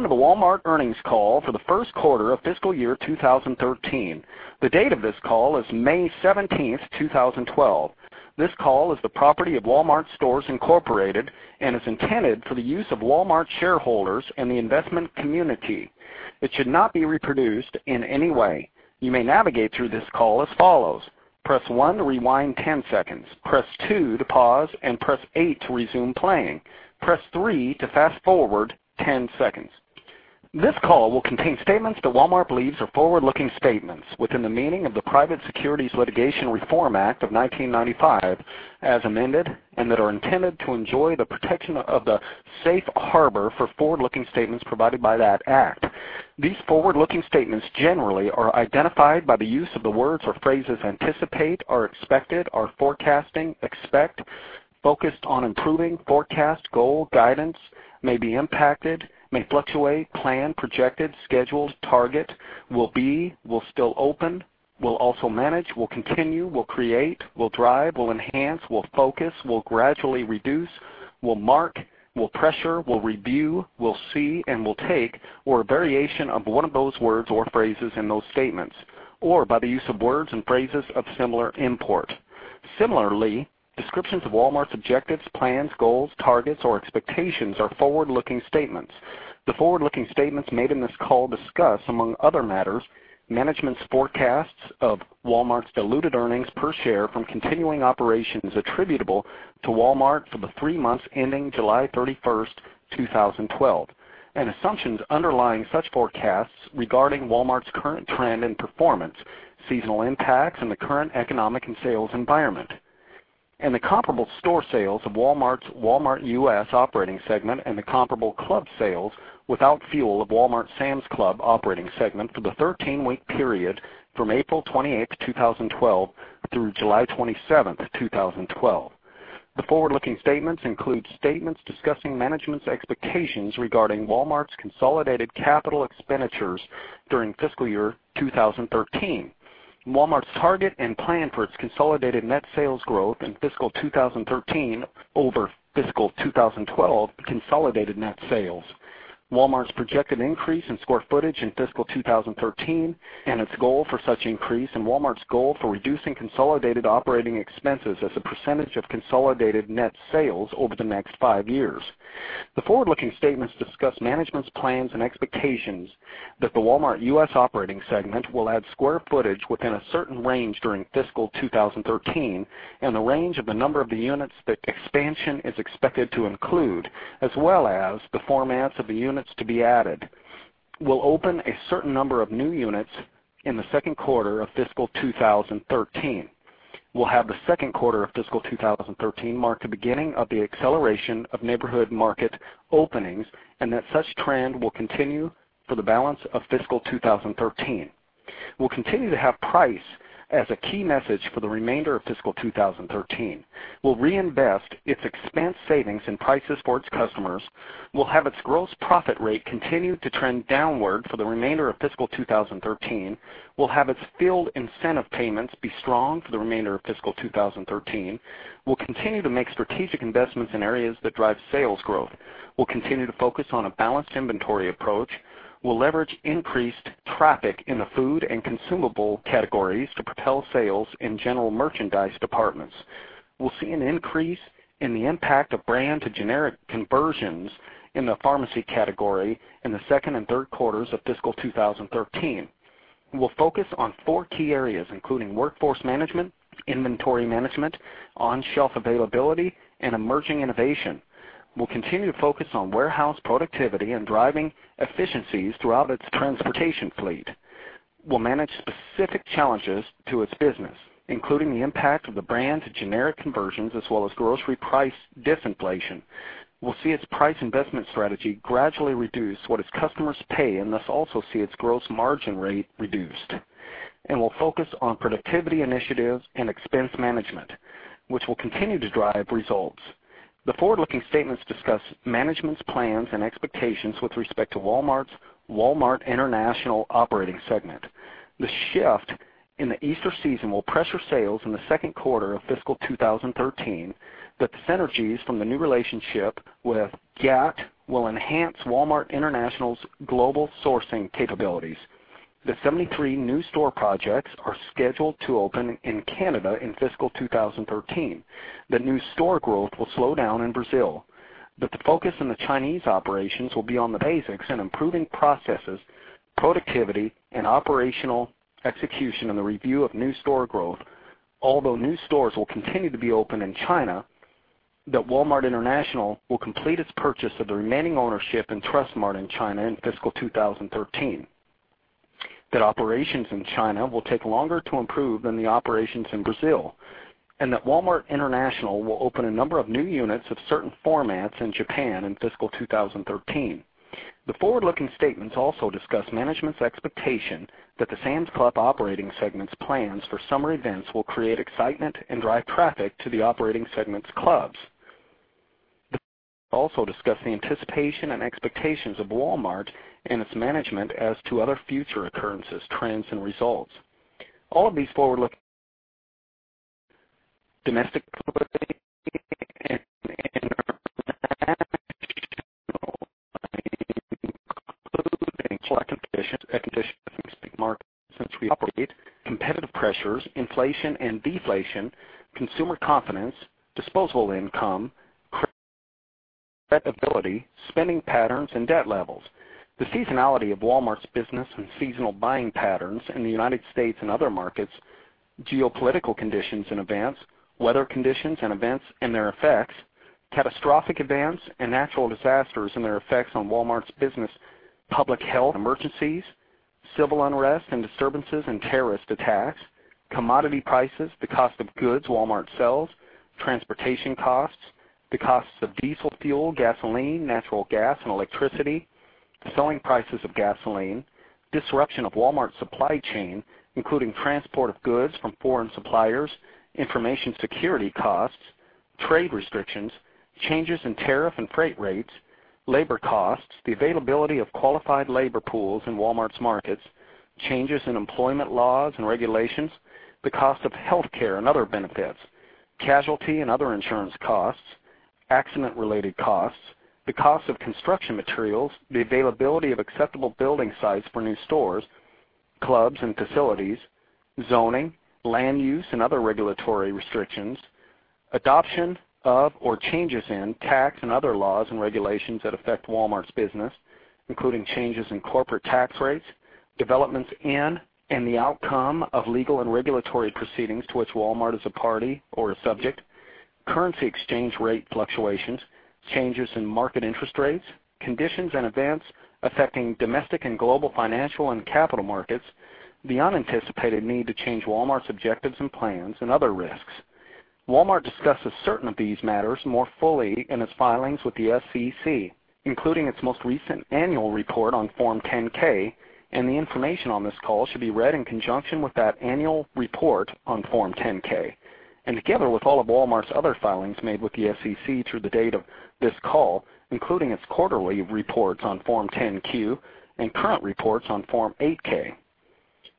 Welcome to the Walmart earnings call for the first quarter of fiscal year 2013. The date of this call is May 17th, 2012. This call is the property of Walmart Stores, Inc. and is intended for the use of Walmart shareholders and the investment community. It should not be reproduced in any way. You may navigate through this call as follows: press one to rewind 10 seconds, press two to pause, and press eight to resume playing. Press three to fast forward 10 seconds. This call will contain statements that Walmart believes are forward-looking statements within the meaning of the Private Securities Litigation Reform Act of 1995, as amended, and that are intended to enjoy the protection of the safe harbor for forward-looking statements provided by that act. These forward-looking statements generally are identified by the use of the words or phrases "anticipate," or "expected," or "forecasting," "expect," "focused on improving," "forecast," "goal," "guidance," "may be impacted," "may fluctuate," "plan," "projected," "scheduled," "target," "will be," "will still open," "will also manage," "will continue," "will create," "will drive," "will enhance," "will focus," "will gradually reduce," "will mark," "will pressure," "will review," "will see," and "will take," or a variation of one of those words or phrases in those statements, or by the use of words and phrases of similar import. Descriptions of Walmart's objectives, plans, goals, targets, or expectations are forward-looking statements. The forward-looking statements made in this call discuss, among other matters, management's forecasts of Walmart's diluted earnings per share from continuing operations attributable to Walmart for the three months ending July 31st, 2012, and assumptions underlying such forecasts regarding Walmart's current trend and performance, seasonal impacts in the current economic and sales environment, and the comparable store sales of Walmart's Walmart U.S. operating segment and the comparable club sales without fuel of Walmart's Sam's Club operating segment for the 13-week period from April 28th, 2012 through July 27th, 2012. The forward-looking statements include statements discussing management's expectations regarding Walmart's consolidated capital expenditures during fiscal year 2013. Walmart's target and plan for its consolidated net sales growth in fiscal 2013 over fiscal 2012 consolidated net sales. Walmart's projected increase in square footage in fiscal 2013 and its goal for such increase, Walmart's goal for reducing consolidated operating expenses as a percentage of consolidated net sales over the next five years. The forward-looking statements discuss management's plans and expectations that the Walmart U.S. operating segment will add square footage within a certain range during fiscal 2013 and the range of the number of the units that expansion is expected to include, as well as the formats of the units to be added, will open a certain number of new units in the second quarter of fiscal 2013, will have the second quarter of fiscal 2013 mark the beginning of the acceleration of Neighborhood Market openings, and that such trend will continue for the balance of fiscal 2013, will continue to have price as a key message for the remainder of fiscal 2013, will reinvest its expense savings and prices for its customers, will have its gross profit rate continue to trend downward for the remainder of fiscal 2013, will have its field incentive payments be strong for the remainder of fiscal 2013, will continue to make strategic investments in areas that drive sales growth, will continue to focus on a balanced inventory approach, will leverage increased traffic in the food and consumable categories to propel sales in general merchandise departments, will see an increase in the impact of brand-to-generic conversions in the pharmacy category in the second and third quarters of fiscal 2013, will focus on four key areas, including workforce management, inventory management, on-shelf availability, and emerging innovation, will continue to focus on warehouse productivity and driving efficiencies throughout its transportation fleet, will manage specific challenges to its business, including the impact of the brand-to-generic conversions as well as grocery price disinflation, will see its price investment strategy gradually reduce what its customers pay and thus also see its gross margin rate reduced, and will focus on productivity initiatives and expense management, which will continue to drive results. The forward-looking statements discuss management's plans and expectations with respect to Walmart's Walmart International operating segment. The shift in the Easter season will pressure sales in the second quarter of fiscal 2013. 73 new store projects are scheduled to open in Canada in fiscal 2013. New store growth will slow down in Brazil. The focus in the Chinese operations will be on the basics and improving processes, productivity, and operational execution in the review of new store growth, although new stores will continue to be opened in China. Walmart International will complete its purchase of the remaining ownership in Trust-Mart in China in fiscal 2013. Operations in China will take longer to improve than the operations in Brazil. Walmart International will open a number of new units of certain formats in Japan in fiscal 2013. The forward-looking statements also discuss management's expectation that the Sam's Club operating segment's plans for summer events will create excitement and drive traffic to the operating segment's clubs. They also discuss the anticipation and expectations of Walmart and its management as to other future occurrences, trends, and results. All of these forward-looking domestic, economic and international including political conditions, economic conditions in the markets since we operate, competitive pressures, inflation and deflation, consumer confidence, disposable income, credit availability, spending patterns, and debt levels. The seasonality of Walmart's business and seasonal buying patterns in the U.S. and other markets, geopolitical conditions and events, weather conditions and events and their effects, catastrophic events and natural disasters and their effects on Walmart's business, public health emergencies, civil unrest and disturbances and terrorist attacks, commodity prices, the cost of goods Walmart sells, transportation costs, the costs of diesel fuel, gasoline, natural gas, and electricity, selling prices of gasoline, disruption of Walmart's supply chain, including transport of goods from foreign suppliers, information security costs, trade restrictions, changes in tariff and freight rates, labor costs, the availability of qualified labor pools in Walmart's markets, changes in employment laws and regulations, the cost of healthcare and other benefits, casualty and other insurance costs, accident-related costs, the cost of construction materials, the availability of acceptable building sites for new stores, clubs and facilities, zoning, land use, and other regulatory restrictions, adoption of or changes in tax and other laws and regulations that affect Walmart's business, including changes in corporate tax rates, developments in and the outcome of legal and regulatory proceedings to which Walmart is a party or a subject, currency exchange rate fluctuations, changes in market interest rates, conditions and events affecting domestic and global financial and capital markets, the unanticipated need to change Walmart's objectives and plans, and other risks. Walmart discusses certain of these matters more fully in its filings with the SEC, including its most recent annual report on Form 10-K. The information on this call should be read in conjunction with that annual report on Form 10-K, together with all of Walmart's other filings made with the SEC through the date of this call, including its quarterly reports on Form 10-Q and current reports on Form 8-K.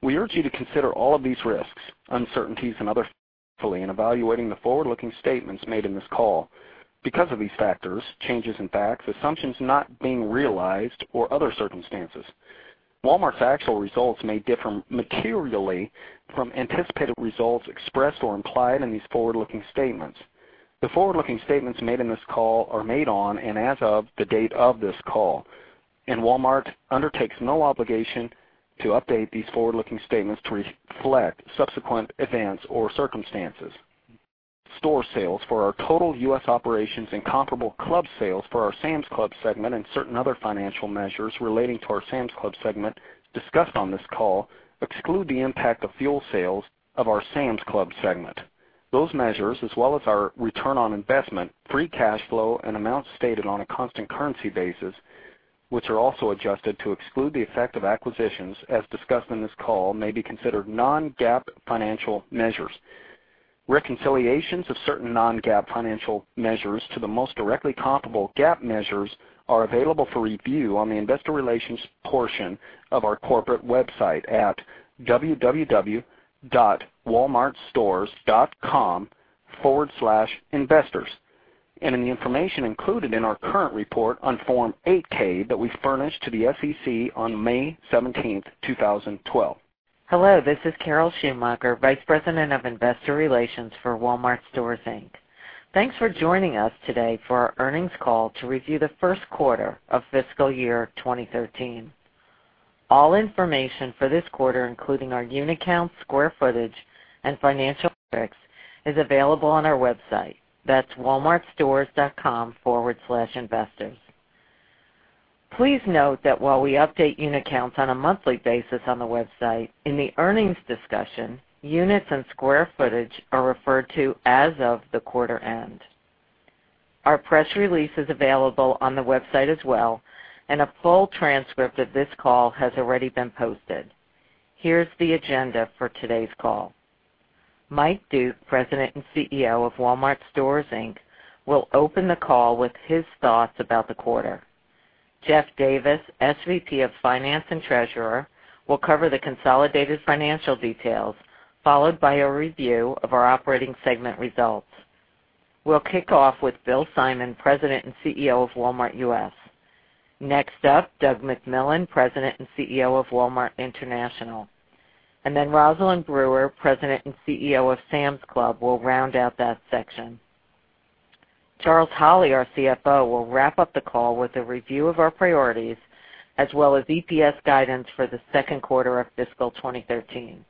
We urge you to consider all of these risks, uncertainties, and other factors carefully in evaluating the forward-looking statements made in this call. Because of these factors, changes in facts, assumptions not being realized, or other circumstances, Walmart's actual results may differ materially from anticipated results expressed or implied in these forward-looking statements. The forward-looking statements made in this call are made on and as of the date of this call. Walmart undertakes no obligation to update these forward-looking statements to reflect subsequent events or circumstances. Store sales for our total U.S. operations and comparable club sales for our Sam's Club segment and certain other financial measures relating to our Sam's Club segment discussed on this call exclude the impact of fuel sales of our Sam's Club segment. Those measures, as well as our return on investment, free cash flow, and amounts stated on a constant currency basis, which are also adjusted to exclude the effect of acquisitions as discussed in this call, may be considered non-GAAP financial measures. Reconciliations of certain non-GAAP financial measures to the most directly comparable GAAP measures are available for review on the investor relations portion of our corporate website at www.stock.walmart.com and in the information included in our current report on Form 8-K that we furnished to the SEC on May 17, 2012. Hello, this is Carol Schumacher, Vice President of Investor Relations for Walmart Stores, Inc. Thanks for joining us today for our earnings call to review the first quarter of fiscal year 2013. All information for this quarter, including our unit count, square footage, and financial metrics, is available on our website. That's stock.walmart.com. Please note that while we update unit counts on a monthly basis on the website, in the earnings discussion, units and square footage are referred to as of the quarter end. Our press release is available on the website as well. A full transcript of this call has already been posted. Here's the agenda for today's call. Mike Duke, President and CEO of Walmart Stores, Inc., will open the call with his thoughts about the quarter. Jeff Davis, SVP of Finance and Treasurer, will cover the consolidated financial details, followed by a review of our operating segment results. We'll kick off with Bill Simon, President and CEO of Walmart U.S. Next up, Doug McMillon, President and CEO of Walmart International. Then Rosalind Brewer, President and CEO of Sam's Club, will round out that section. Charles Holley, our CFO, will wrap up the call with a review of our priorities, as well as EPS guidance for the second quarter of fiscal 2013.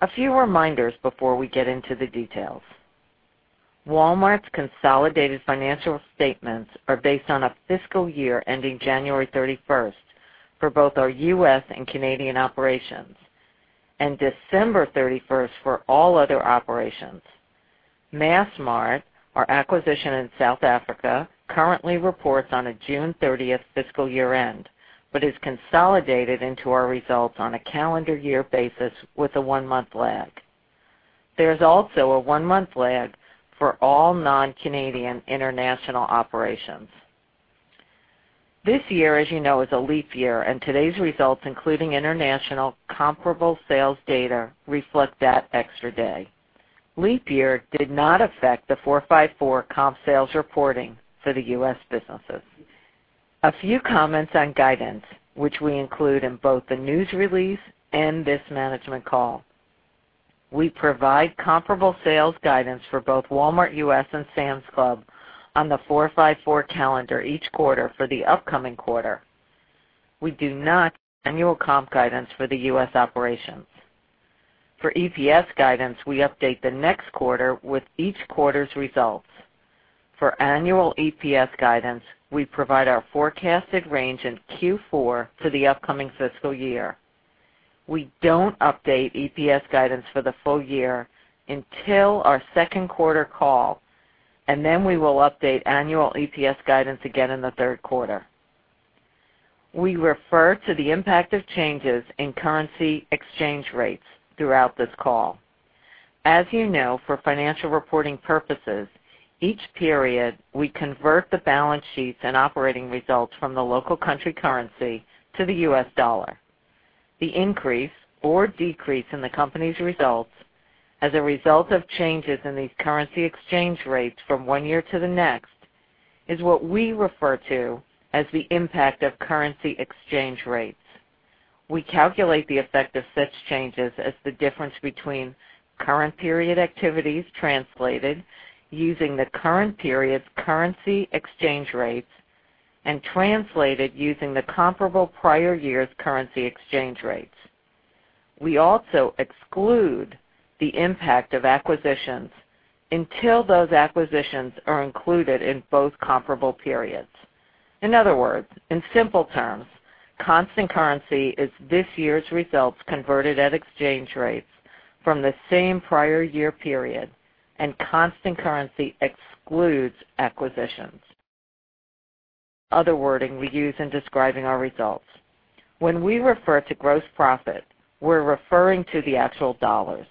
A few reminders before we get into the details. Walmart's consolidated financial statements are based on a fiscal year ending January 31st for both our U.S. and Canadian operations, and December 31st for all other operations. Massmart, our acquisition in South Africa, currently reports on a June 30th fiscal year-end, but is consolidated into our results on a calendar year basis with a one-month lag. There's also a one-month lag for all non-Canadian international operations. This year, as you know, is a leap year, and today's results, including international comparable sales data, reflect that extra day. Leap year did not affect the 4-5-4 comp sales reporting for the U.S. businesses. A few comments on guidance, which we include in both the news release and this management call. We provide comparable sales guidance for both Walmart U.S. and Sam's Club on the 4-5-4 calendar each quarter for the upcoming quarter. We do not annual comp guidance for the U.S. operations. For EPS guidance, we update the next quarter with each quarter's results. For annual EPS guidance, we provide our forecasted range in Q4 for the upcoming fiscal year. We don't update EPS guidance for the full year until our second quarter call, then we will update annual EPS guidance again in the third quarter. We refer to the impact of changes in currency exchange rates throughout this call. As you know, for financial reporting purposes, each period we convert the balance sheets and operating results from the local country currency to the U.S. dollar. The increase or decrease in the company's results as a result of changes in these currency exchange rates from one year to the next is what we refer to as the impact of currency exchange rates. We calculate the effect of such changes as the difference between current period activities translated using the current period's currency exchange rates and translated using the comparable prior year's currency exchange rates. We also exclude the impact of acquisitions until those acquisitions are included in both comparable periods. In other words, in simple terms, constant currency is this year's results converted at exchange rates from the same prior year period, and constant currency excludes acquisitions. Other wording we use in describing our results. When we refer to gross profit, we're referring to the actual dollars.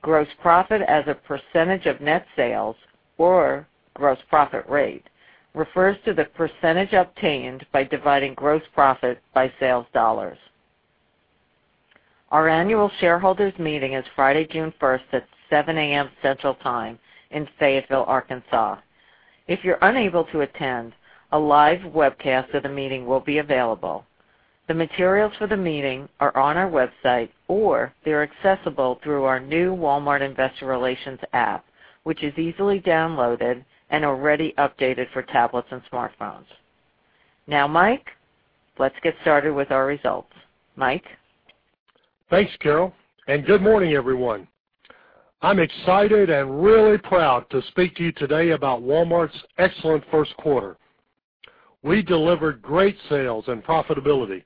Gross profit as a % of net sales or gross profit rate refers to the % obtained by dividing gross profit by sales dollars. Our annual shareholders meeting is Friday, June first at 7:00 A.M. Central Time in Fayetteville, Arkansas. If you're unable to attend, a live webcast of the meeting will be available. The materials for the meeting are on our website, or they're accessible through our new Walmart Investor Relations app, which is easily downloaded and already updated for tablets and smartphones. Mike, let's get started with our results. Mike? Thanks, Carol, good morning, everyone. I'm excited and really proud to speak to you today about Walmart's excellent first quarter. We delivered great sales and profitability.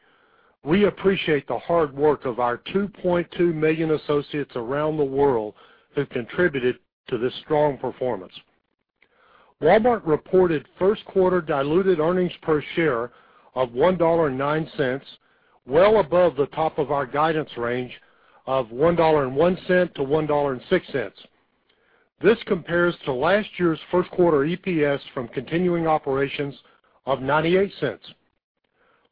We appreciate the hard work of our 2.2 million associates around the world who've contributed to this strong performance. Walmart reported first quarter diluted earnings per share of $1.09, well above the top of our guidance range of $1.01-$1.06. This compares to last year's first quarter EPS from continuing operations of $0.98.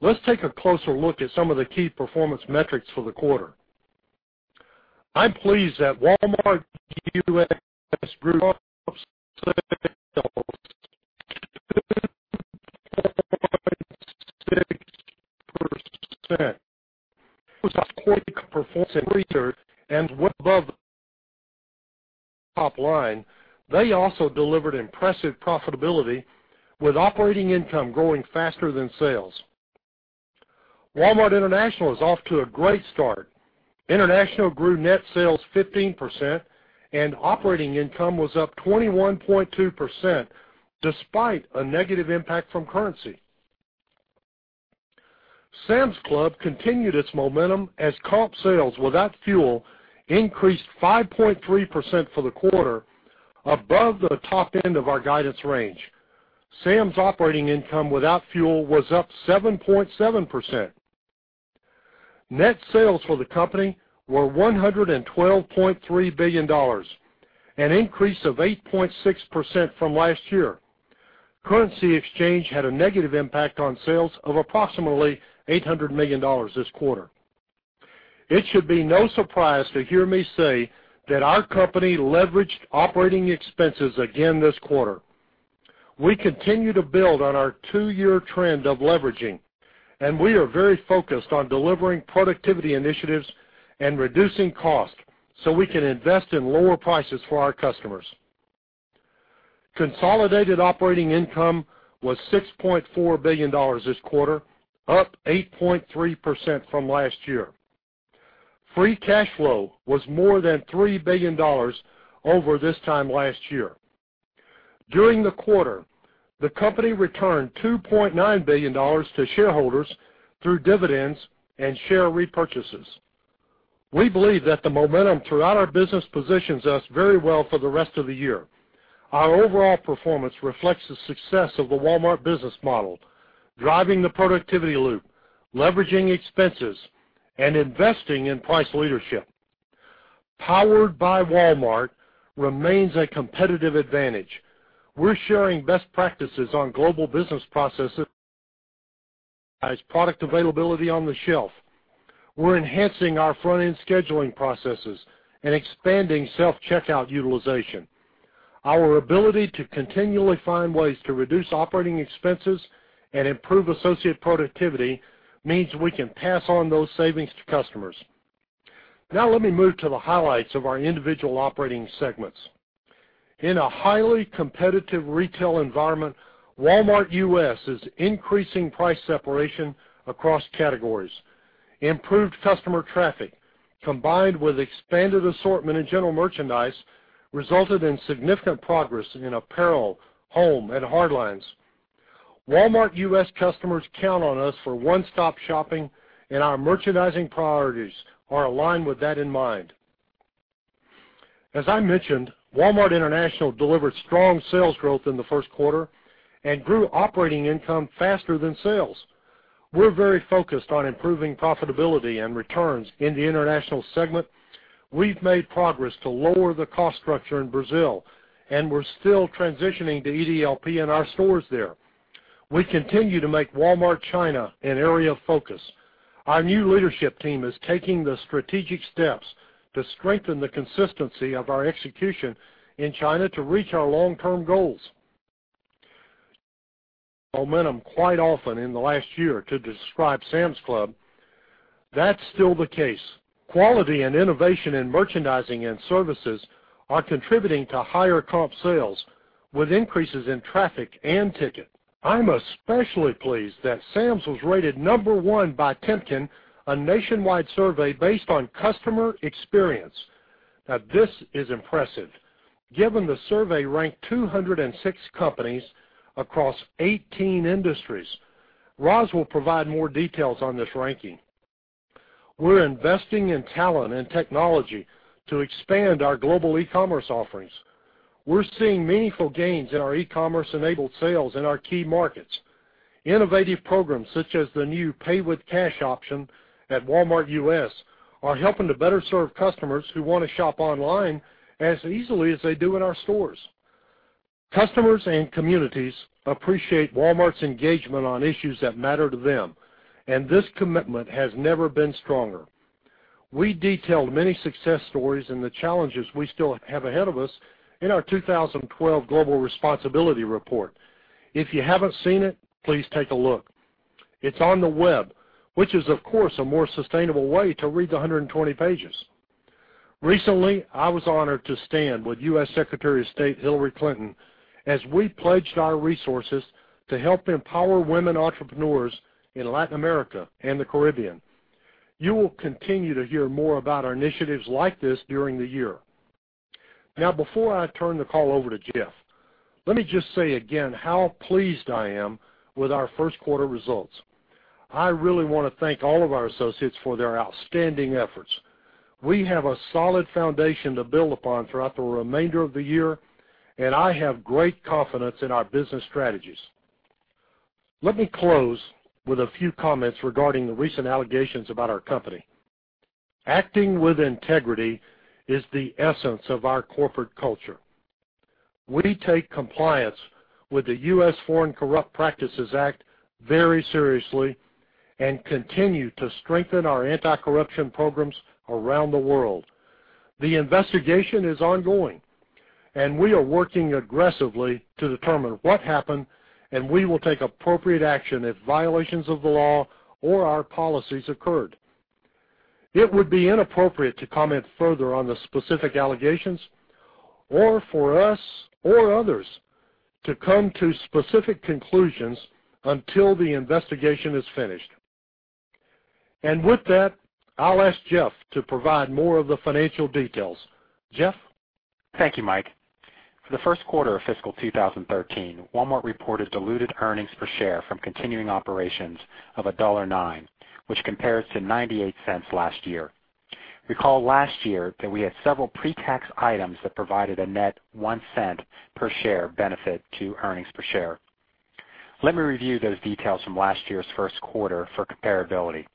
Let's take a closer look at some of the key performance metrics for the quarter. I'm pleased that Walmart U.S. group and above top line. They also delivered impressive profitability with operating income growing faster than sales. Walmart International is off to a great start. International grew net sales 15% and operating income was up 21.2% despite a negative impact from currency. Sam's Club continued its momentum as comp sales without fuel increased 5.3% for the quarter above the top end of our guidance range. Sam's operating income without fuel was up 7.7%. Net sales for the company were $112.3 billion, an increase of 8.6% from last year. Currency exchange had a negative impact on sales of approximately $800 million this quarter. It should be no surprise to hear me say that our company leveraged operating expenses again this quarter. We continue to build on our two-year trend of leveraging, we are very focused on delivering productivity initiatives and reducing costs so we can invest in lower prices for our customers. Consolidated operating income was $6.4 billion this quarter, up 8.3% from last year. Free cash flow was more than $3 billion over this time last year. During the quarter, the company returned $2.9 billion to shareholders through dividends and share repurchases. We believe that the momentum throughout our business positions us very well for the rest of the year. Our overall performance reflects the success of the Walmart business model, driving the productivity loop, leveraging expenses, and investing in price leadership. Powered by Walmart remains a competitive advantage. We're sharing best practices on global business processes as product availability on the shelf. We're enhancing our front-end scheduling processes and expanding self-checkout utilization. Our ability to continually find ways to reduce operating expenses and improve associate productivity means we can pass on those savings to customers. Let me move to the highlights of our individual operating segments. In a highly competitive retail environment, Walmart U.S. is increasing price separation across categories. Improved customer traffic, combined with expanded assortment in general merchandise, resulted in significant progress in apparel, home, and hard lines. Walmart U.S. customers count on us for one-stop shopping, and our merchandising priorities are aligned with that in mind. As I mentioned, Walmart International delivered strong sales growth in the first quarter and grew operating income faster than sales. We're very focused on improving profitability and returns in the international segment. We've made progress to lower the cost structure in Brazil, and we're still transitioning to EDLP in our stores there. We continue to make Walmart China an area of focus. Our new leadership team is taking the strategic steps to strengthen the consistency of our execution in China to reach our long-term goals. Momentum quite often in the last year to describe Sam's Club. That's still the case. Quality and innovation in merchandising and services are contributing to higher comp sales with increases in traffic and ticket. I'm especially pleased that Sam's was rated number one by Temkin, a nationwide survey based on customer experience. Now this is impressive given the survey ranked 206 companies across 18 industries. Roz will provide more details on this ranking. We're investing in talent and technology to expand our global e-commerce offerings. We're seeing meaningful gains in our e-commerce-enabled sales in our key markets. Innovative programs such as the new Pay with Cash option at Walmart U.S. are helping to better serve customers who want to shop online as easily as they do in our stores. Customers and communities appreciate Walmart's engagement on issues that matter to them, and this commitment has never been stronger. We detailed many success stories and the challenges we still have ahead of us in our 2012 Global Responsibility Report. If you haven't seen it, please take a look. It's on the web, which is, of course, a more sustainable way to read the 120 pages. Recently, I was honored to stand with U.S. Secretary of State Hillary Clinton as we pledged our resources to help empower women entrepreneurs in Latin America and the Caribbean. You will continue to hear more about our initiatives like this during the year. Now before I turn the call over to Jeff, let me just say again how pleased I am with our first quarter results. I really want to thank all of our associates for their outstanding efforts. We have a solid foundation to build upon throughout the remainder of the year, and I have great confidence in our business strategies. Let me close with a few comments regarding the recent allegations about our company. Acting with integrity is the essence of our corporate culture. We take compliance with the U.S. Foreign Corrupt Practices Act very seriously and continue to strengthen our anti-corruption programs around the world. The investigation is ongoing, and we are working aggressively to determine what happened, and we will take appropriate action if violations of the law or our policies occurred. It would be inappropriate to comment further on the specific allegations or for us or others to come to specific conclusions until the investigation is finished. With that, I'll ask Jeff to provide more of the financial details. Jeff? Thank you, Mike. For the first quarter of fiscal 2013, Walmart reported diluted earnings per share from continuing operations of $1.09, which compares to $0.98 last year. Recall last year that we had several pre-tax items that provided a net $0.01 per share benefit to earnings per share. Let me review those details from last year's first quarter for comparability.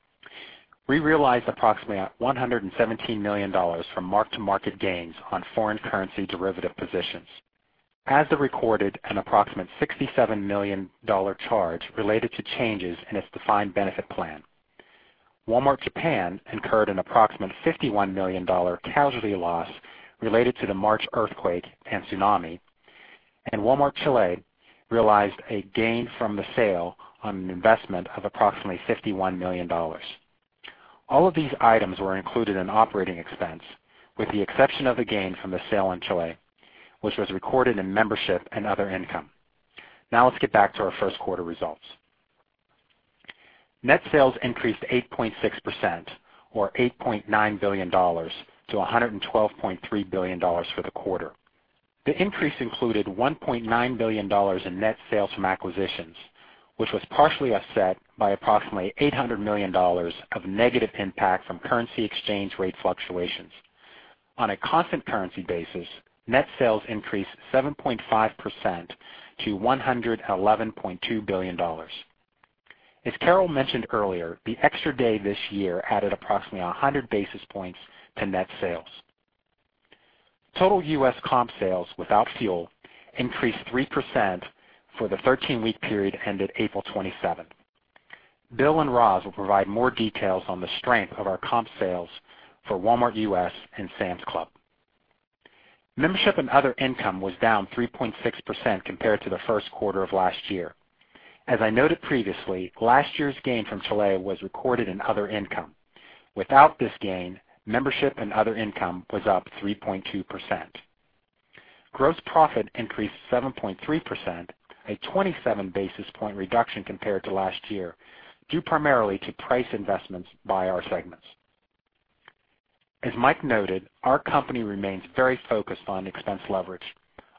We realized approximately $117 million from mark-to-market gains on foreign currency derivative positions. Asda recorded, an approximate $67 million charge related to changes in its defined benefit plan. Walmart Japan incurred an approximate $51 million casualty loss related to the March earthquake and tsunami, and Walmart Chile realized a gain from the sale on an investment of approximately $51 million. All of these items were included in operating expense with the exception of the gain from the sale in Chile, which was recorded in membership and other income. Let's get back to our first quarter results. Net sales increased 8.6% or $8.9 billion to $112.3 billion for the quarter. The increase included $1.9 billion in net sales from acquisitions, which was partially offset by approximately $800 million of negative impact from currency exchange rate fluctuations. On a constant currency basis, net sales increased 7.5% to $111.2 billion. As Carol mentioned earlier, the extra day this year added approximately 100 basis points to net sales. Total U.S. comp sales without fuel increased 3% for the 13-week period ended April 27th. Bill and Roz will provide more details on the strength of our comp sales for Walmart U.S. and Sam's Club. Membership and other income was down 3.6% compared to the first quarter of last year. As I noted previously, last year's gain from Chile was recorded in other income. Without this gain, membership and other income was up 3.2%. Gross profit increased 7.3%, a 27 basis point reduction compared to last year, due primarily to price investments by our segments. As Mike noted, our company remains very focused on expense leverage.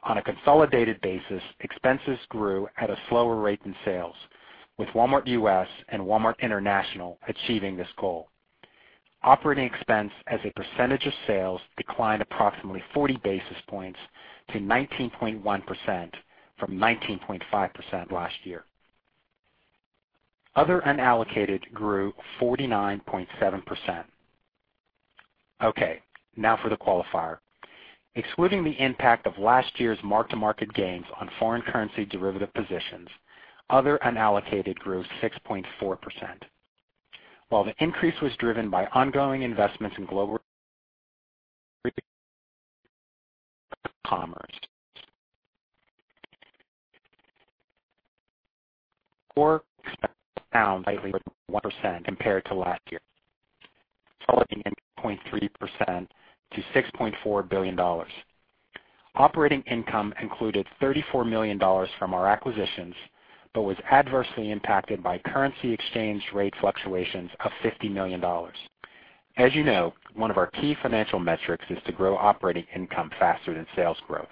On a consolidated basis, expenses grew at a slower rate than sales, with Walmart U.S. and Walmart International achieving this goal. Operating expense as a percentage of sales declined approximately 40 basis points to 19.1% from 19.5% last year. Other unallocated grew 49.7%. For the qualifier. Excluding the impact of last year's mark-to-market gains on foreign currency derivative positions, other unallocated grew 6.4%. While the increase was driven by ongoing investments in global commerce. Core down slightly with 1% compared to last year, falling in 0.3% to $6.4 billion. Operating income included $34 million from our acquisitions but was adversely impacted by currency exchange rate fluctuations of $50 million. You know, one of our key financial metrics is to grow operating income faster than sales growth.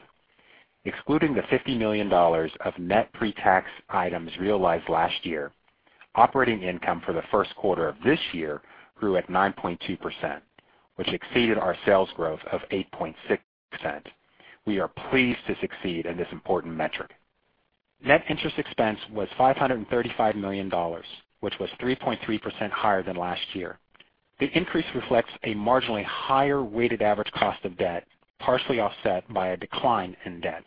Excluding the $50 million of net pre-tax items realized last year, operating income for the first quarter of this year grew at 9.2%, which exceeded our sales growth of 8.6%. We are pleased to succeed in this important metric. Net interest expense was $535 million, which was 3.3% higher than last year. The increase reflects a marginally higher weighted average cost of debt, partially offset by a decline in debt.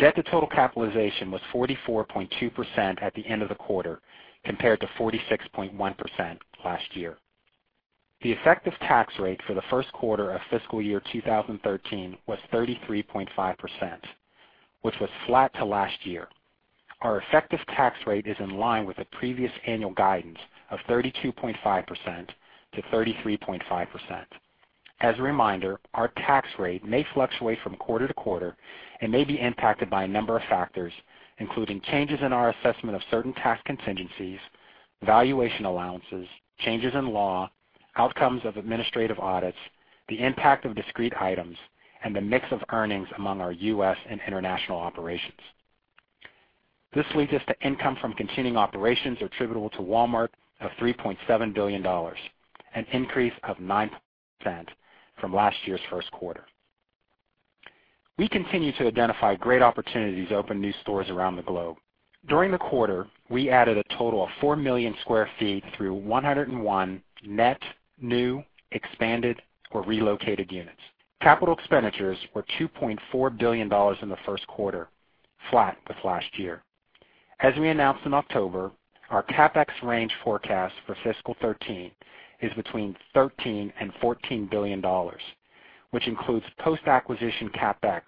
Debt to total capitalization was 44.2% at the end of the quarter, compared to 46.1% last year. The effective tax rate for the first quarter of fiscal year 2013 was 33.5%, which was flat to last year. Our effective tax rate is in line with the previous annual guidance of 32.5%-33.5%. As a reminder, our tax rate may fluctuate from quarter to quarter and may be impacted by a number of factors, including changes in our assessment of certain tax contingencies, valuation allowances, changes in law, outcomes of administrative audits, the impact of discrete items, and the mix of earnings among our U.S. and international operations. This leads us to income from continuing operations attributable to Walmart of $3.7 billion, an increase of 9% from last year's first quarter. We continue to identify great opportunities to open new stores around the globe. During the quarter, we added a total of 4 million sq ft through 101 net new expanded or relocated units. Capital expenditures were $2.4 billion in the first quarter, flat with last year. As we announced in October, our CapEx range forecast for fiscal 2013 is between $13 billion and $14 billion, which includes post-acquisition CapEx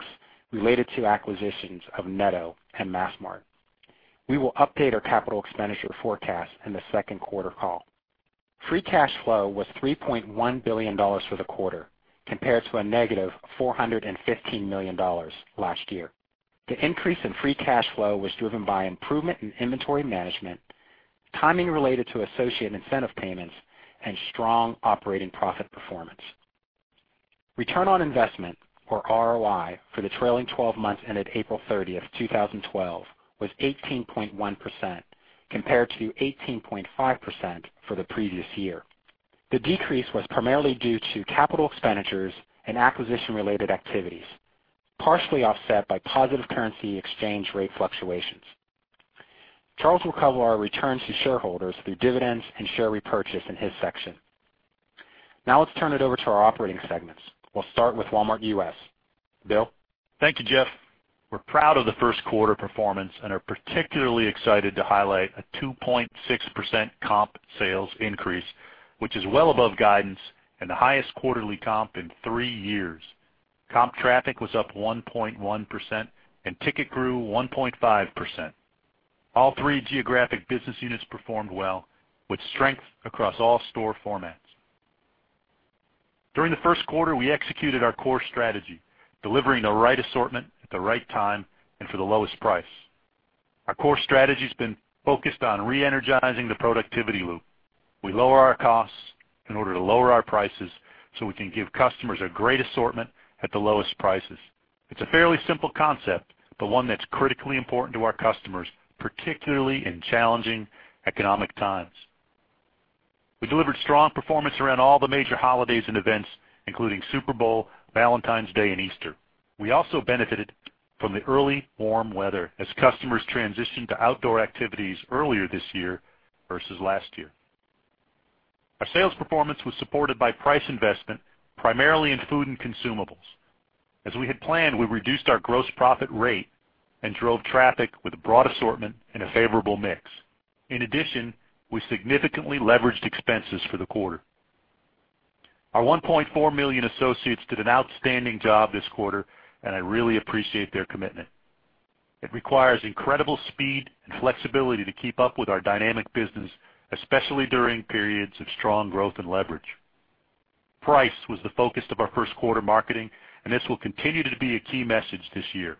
related to acquisitions of Netto and Massmart. We will update our capital expenditure forecast in the second quarter call. Free cash flow was $3.1 billion for the quarter, compared to a negative $415 million last year. The increase in free cash flow was driven by improvement in inventory management, timing related to associate incentive payments, and strong operating profit performance. Return on investment, or ROI, for the trailing 12 months ended April 30, 2012, was 18.1%, compared to 18.5% for the previous year. The decrease was primarily due to capital expenditures and acquisition-related activities, partially offset by positive currency exchange rate fluctuations. Charles will cover our returns to shareholders through dividends and share repurchase in his section. Now let's turn it over to our operating segments. We'll start with Walmart U.S. Bill? Thank you, Jeff. We're proud of the first quarter performance and are particularly excited to highlight a 2.6% comp sales increase, which is well above guidance and the highest quarterly comp in three years. Comp traffic was up 1.1% and ticket grew 1.5%. All three geographic business units performed well with strength across all store formats. During the first quarter, we executed our core strategy, delivering the right assortment at the right time and for the lowest price. Our core strategy's been focused on re-energizing the productivity loop. We lower our costs in order to lower our prices so we can give customers a great assortment at the lowest prices. It's a fairly simple concept, but one that's critically important to our customers, particularly in challenging economic times. We delivered strong performance around all the major holidays and events, including Super Bowl, Valentine's Day, and Easter. We also benefited from the early warm weather as customers transitioned to outdoor activities earlier this year versus last year. Our sales performance was supported by price investment, primarily in food and consumables. As we had planned, we reduced our gross profit rate and drove traffic with a broad assortment and a favorable mix. In addition, we significantly leveraged expenses for the quarter. Our 1.4 million associates did an outstanding job this quarter, and I really appreciate their commitment. It requires incredible speed and flexibility to keep up with our dynamic business, especially during periods of strong growth and leverage. Price was the focus of our first quarter marketing, and this will continue to be a key message this year.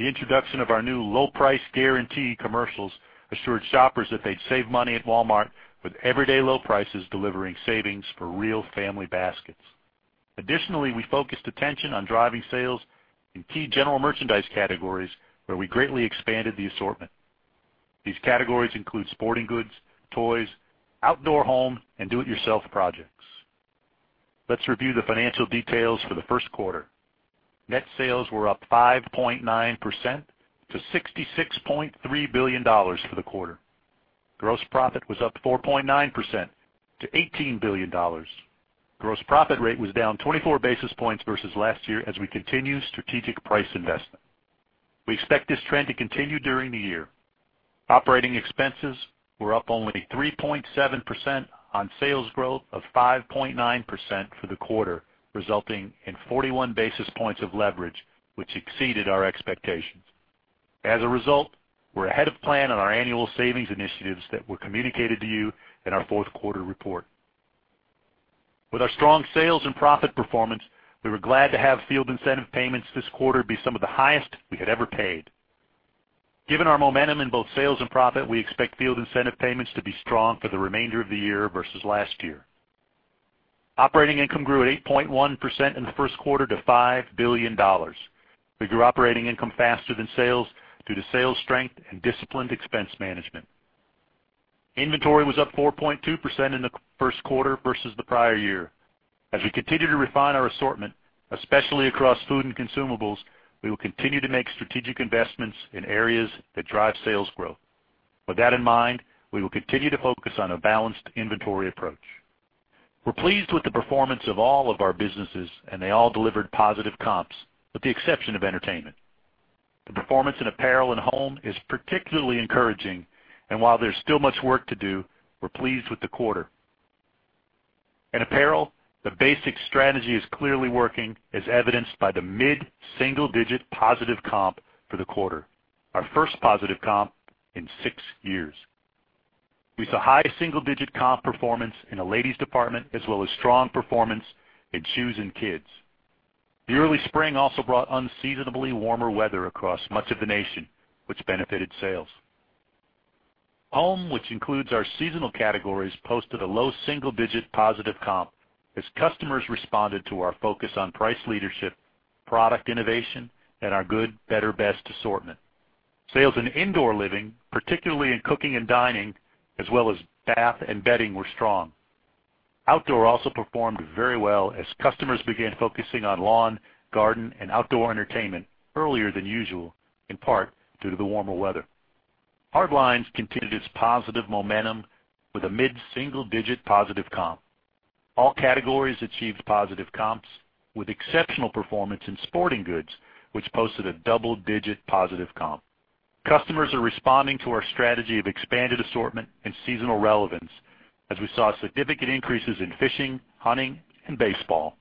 The introduction of our new low price guarantee commercials assured shoppers that they'd save money at Walmart with everyday low prices, delivering savings for real family baskets. We focused attention on driving sales in key general merchandise categories where we greatly expanded the assortment. These categories include sporting goods, toys, outdoor home, and do-it-yourself projects. Let's review the financial details for the first quarter. Net sales were up 5.9% to $66.3 billion for the quarter. Gross profit was up 4.9% to $18 billion. Gross profit rate was down 24 basis points versus last year as we continue strategic price investment. We expect this trend to continue during the year. Operating expenses were up only 3.7% on sales growth of 5.9% for the quarter, resulting in 41 basis points of leverage, which exceeded our expectations. We're ahead of plan on our annual savings initiatives that were communicated to you in our fourth quarter report. With our strong sales and profit performance, we were glad to have field incentive payments this quarter be some of the highest we had ever paid. Given our momentum in both sales and profit, we expect field incentive payments to be strong for the remainder of the year versus last year. Operating income grew at 8.1% in the first quarter to $5 billion. We grew operating income faster than sales due to sales strength and disciplined expense management. Inventory was up 4.2% in the first quarter versus the prior year. As we continue to refine our assortment, especially across food and consumables, we will continue to make strategic investments in areas that drive sales growth. With that in mind, we will continue to focus on a balanced inventory approach. We're pleased with the performance of all of our businesses, and they all delivered positive comps with the exception of entertainment. The performance in apparel and home is particularly encouraging, and while there's still much work to do, we're pleased with the quarter. In apparel, the basic strategy is clearly working, as evidenced by the mid-single-digit positive comp for the quarter, our first positive comp in six years. We saw high single-digit comp performance in the ladies' department, as well as strong performance in shoes and kids. The early spring also brought unseasonably warmer weather across much of the nation, which benefited sales. Home, which includes our seasonal categories, posted a low double-digit positive comp as customers responded to our focus on price leadership, product innovation, and our good better best assortment. Sales in indoor living, particularly in cooking and dining, as well as bath and bedding, were strong. Outdoor also performed very well as customers began focusing on lawn, garden, and outdoor entertainment earlier than usual, in part due to the warmer weather. Hard lines continued its positive momentum with a mid-single-digit positive comp. All categories achieved positive comps with exceptional performance in sporting goods, which posted a double-digit positive comp. Customers are responding to our strategy of expanded assortment and seasonal relevance as we saw significant increases in fishing, hunting, and baseball.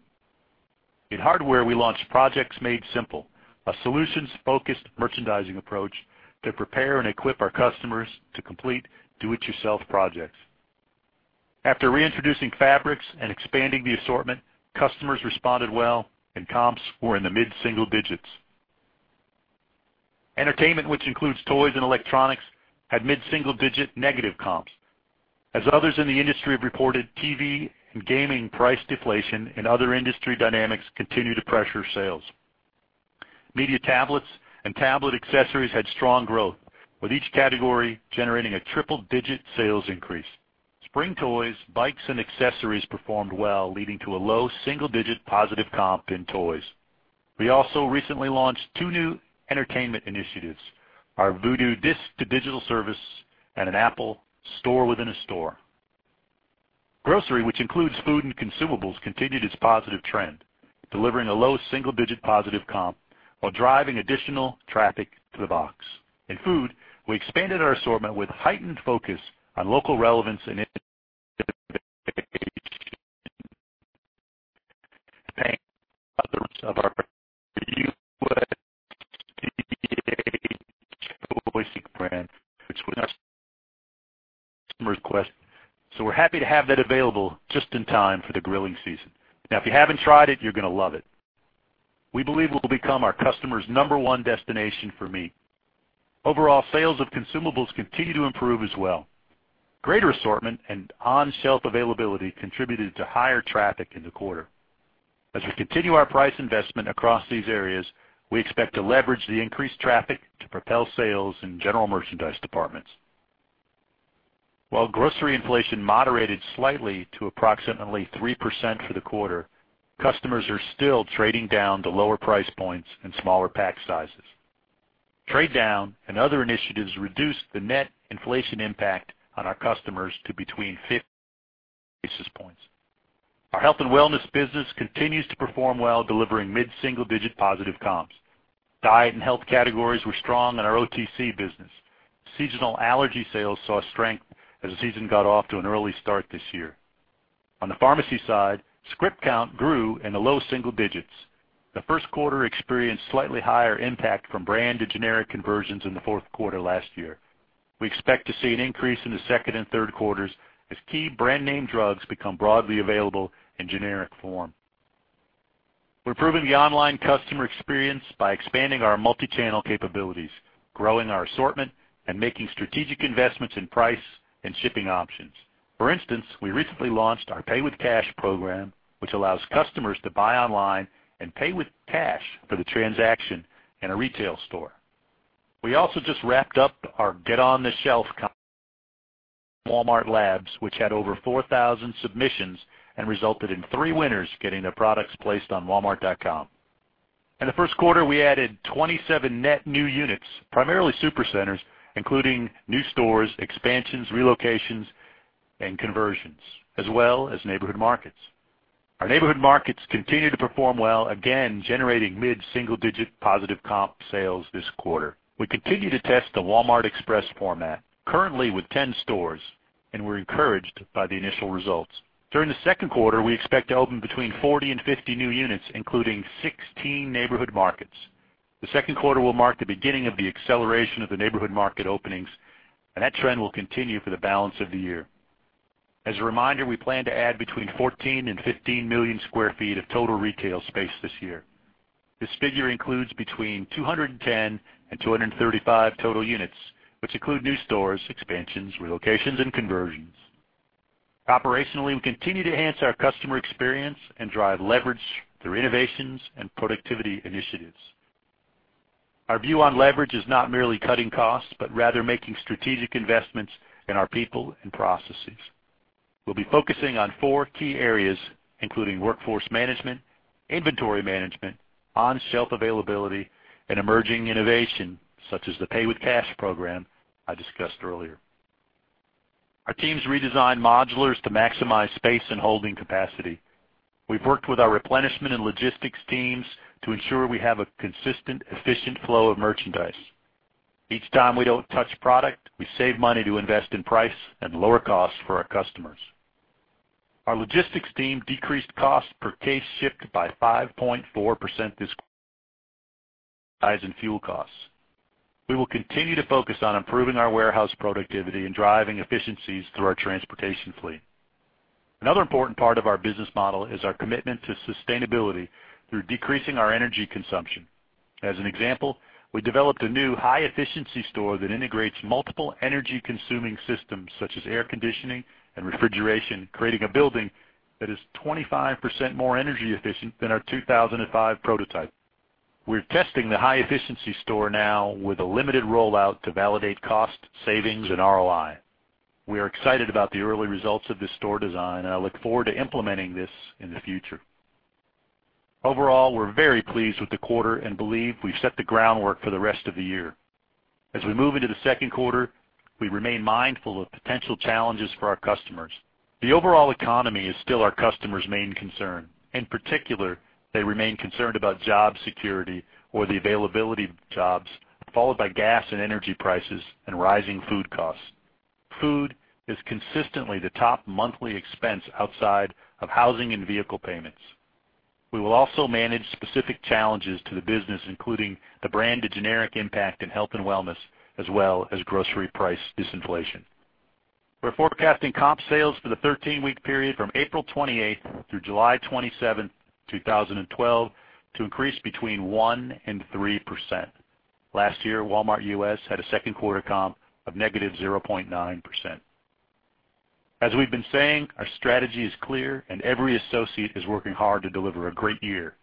In hardware, we launched Projects Made Simple, a solutions-focused merchandising approach to prepare and equip our customers to complete do-it-yourself projects. After reintroducing fabrics and expanding the assortment, customers responded well, and comps were in the mid-single digits. Entertainment, which includes toys and electronics, had mid-single-digit negative comps. As others in the industry have reported, TV and gaming price deflation and other industry dynamics continue to pressure sales. Media tablets and tablet accessories had strong growth, with each category generating a triple-digit sales increase. Spring toys, bikes, and accessories performed well, leading to a low single-digit positive comp in toys. We also recently launched two new entertainment initiatives, our Vudu disc-to-digital service and an Apple store within a store. Grocery, which includes food and consumables, continued its positive trend, delivering a low single-digit positive comp while driving additional traffic to the box. In food, we expanded our assortment with heightened focus on local relevance and innovation. USDA choice brand, which was customer's request. So we're happy to have that available just in time for the grilling season. Now, if you haven't tried it, you're going to love it. We believe it will become our customers' number 1 destination for meat. Overall, sales of consumables continue to improve as well. Greater assortment and on-shelf availability contributed to higher traffic in the quarter. As we continue our price investment across these areas, we expect to leverage the increased traffic to propel sales in general merchandise departments. While grocery inflation moderated slightly to approximately 3% for the quarter, customers are still trading down to lower price points and smaller pack sizes. Trade down and other initiatives reduced the net inflation impact on our customers to between 50 basis points. Our health and wellness business continues to perform well, delivering mid-single-digit positive comps. Diet and health categories were strong in our OTC business. Seasonal allergy sales saw strength as the season got off to an early start this year. On the pharmacy side, script count grew in the low single digits. The first quarter experienced slightly higher impact from brand-to-generic conversions in the fourth quarter last year. We expect to see an increase in the second and third quarters as key brand name drugs become broadly available in generic form. We're improving the online customer experience by expanding our multi-channel capabilities, growing our assortment, and making strategic investments in price and shipping options. For instance, we recently launched our Pay with Cash program, which allows customers to buy online and pay with cash for the transaction in a retail store. We also just wrapped up our Get on the Shelf competition on Walmart Labs, which had over 4,000 submissions and resulted in three winners getting their products placed on walmart.com. In the first quarter, we added 27 net new units, primarily Supercenters, including new stores, expansions, relocations, and conversions, as well as Neighborhood Markets. Our Neighborhood Markets continue to perform well, again, generating mid-single-digit positive comp sales this quarter. We continue to test the Walmart Express format, currently with 10 stores, and we're encouraged by the initial results. During the second quarter, we expect to open between 40 and 50 new units, including 16 Neighborhood Markets. The second quarter will mark the beginning of the acceleration of the Neighborhood Market openings, and that trend will continue for the balance of the year. As a reminder, we plan to add between 14 and 15 million square feet of total retail space this year. This figure includes between 210 and 235 total units, which include new stores, expansions, relocations, and conversions. Operationally, we continue to enhance our customer experience and drive leverage through innovations and productivity initiatives. Our view on leverage is not merely cutting costs, but rather making strategic investments in our people and processes. We'll be focusing on four key areas, including workforce management, inventory management, on-shelf availability, and emerging innovation such as the Pay with Cash program I discussed earlier. Our teams redesigned modulars to maximize space and holding capacity. We've worked with our replenishment and logistics teams to ensure we have a consistent, efficient flow of merchandise. Each time we don't touch product, we save money to invest in price and lower costs for our customers. Our logistics team decreased cost per case shipped by 5.4% this quarter despite rising fuel costs. We will continue to focus on improving our warehouse productivity and driving efficiencies through our transportation fleet. Another important part of our business model is our commitment to sustainability through decreasing our energy consumption. As an example, we developed a new high-efficiency store that integrates multiple energy-consuming systems such as air conditioning and refrigeration, creating a building that is 25% more energy efficient than our 2005 prototype. We're testing the high-efficiency store now with a limited rollout to validate cost savings and ROI. We are excited about the early results of this store design, and I look forward to implementing this in the future. Overall, we're very pleased with the quarter and believe we've set the groundwork for the rest of the year. As we move into the second quarter, we remain mindful of potential challenges for our customers. The overall economy is still our customers' main concern. In particular, they remain concerned about job security or the availability of jobs, followed by gas and energy prices and rising food costs. Food is consistently the top monthly expense outside of housing and vehicle payments. We will also manage specific challenges to the business, including the brand-to-generic impact in health and wellness, as well as grocery price disinflation. We're forecasting comp sales for the 13-week period from April 28th through July 27th, 2012, to increase between 1% and 3%. Last year, Walmart U.S. had a second quarter comp of negative 0.9%. As we've been saying, our strategy is clear and every associate is working hard to deliver a great year.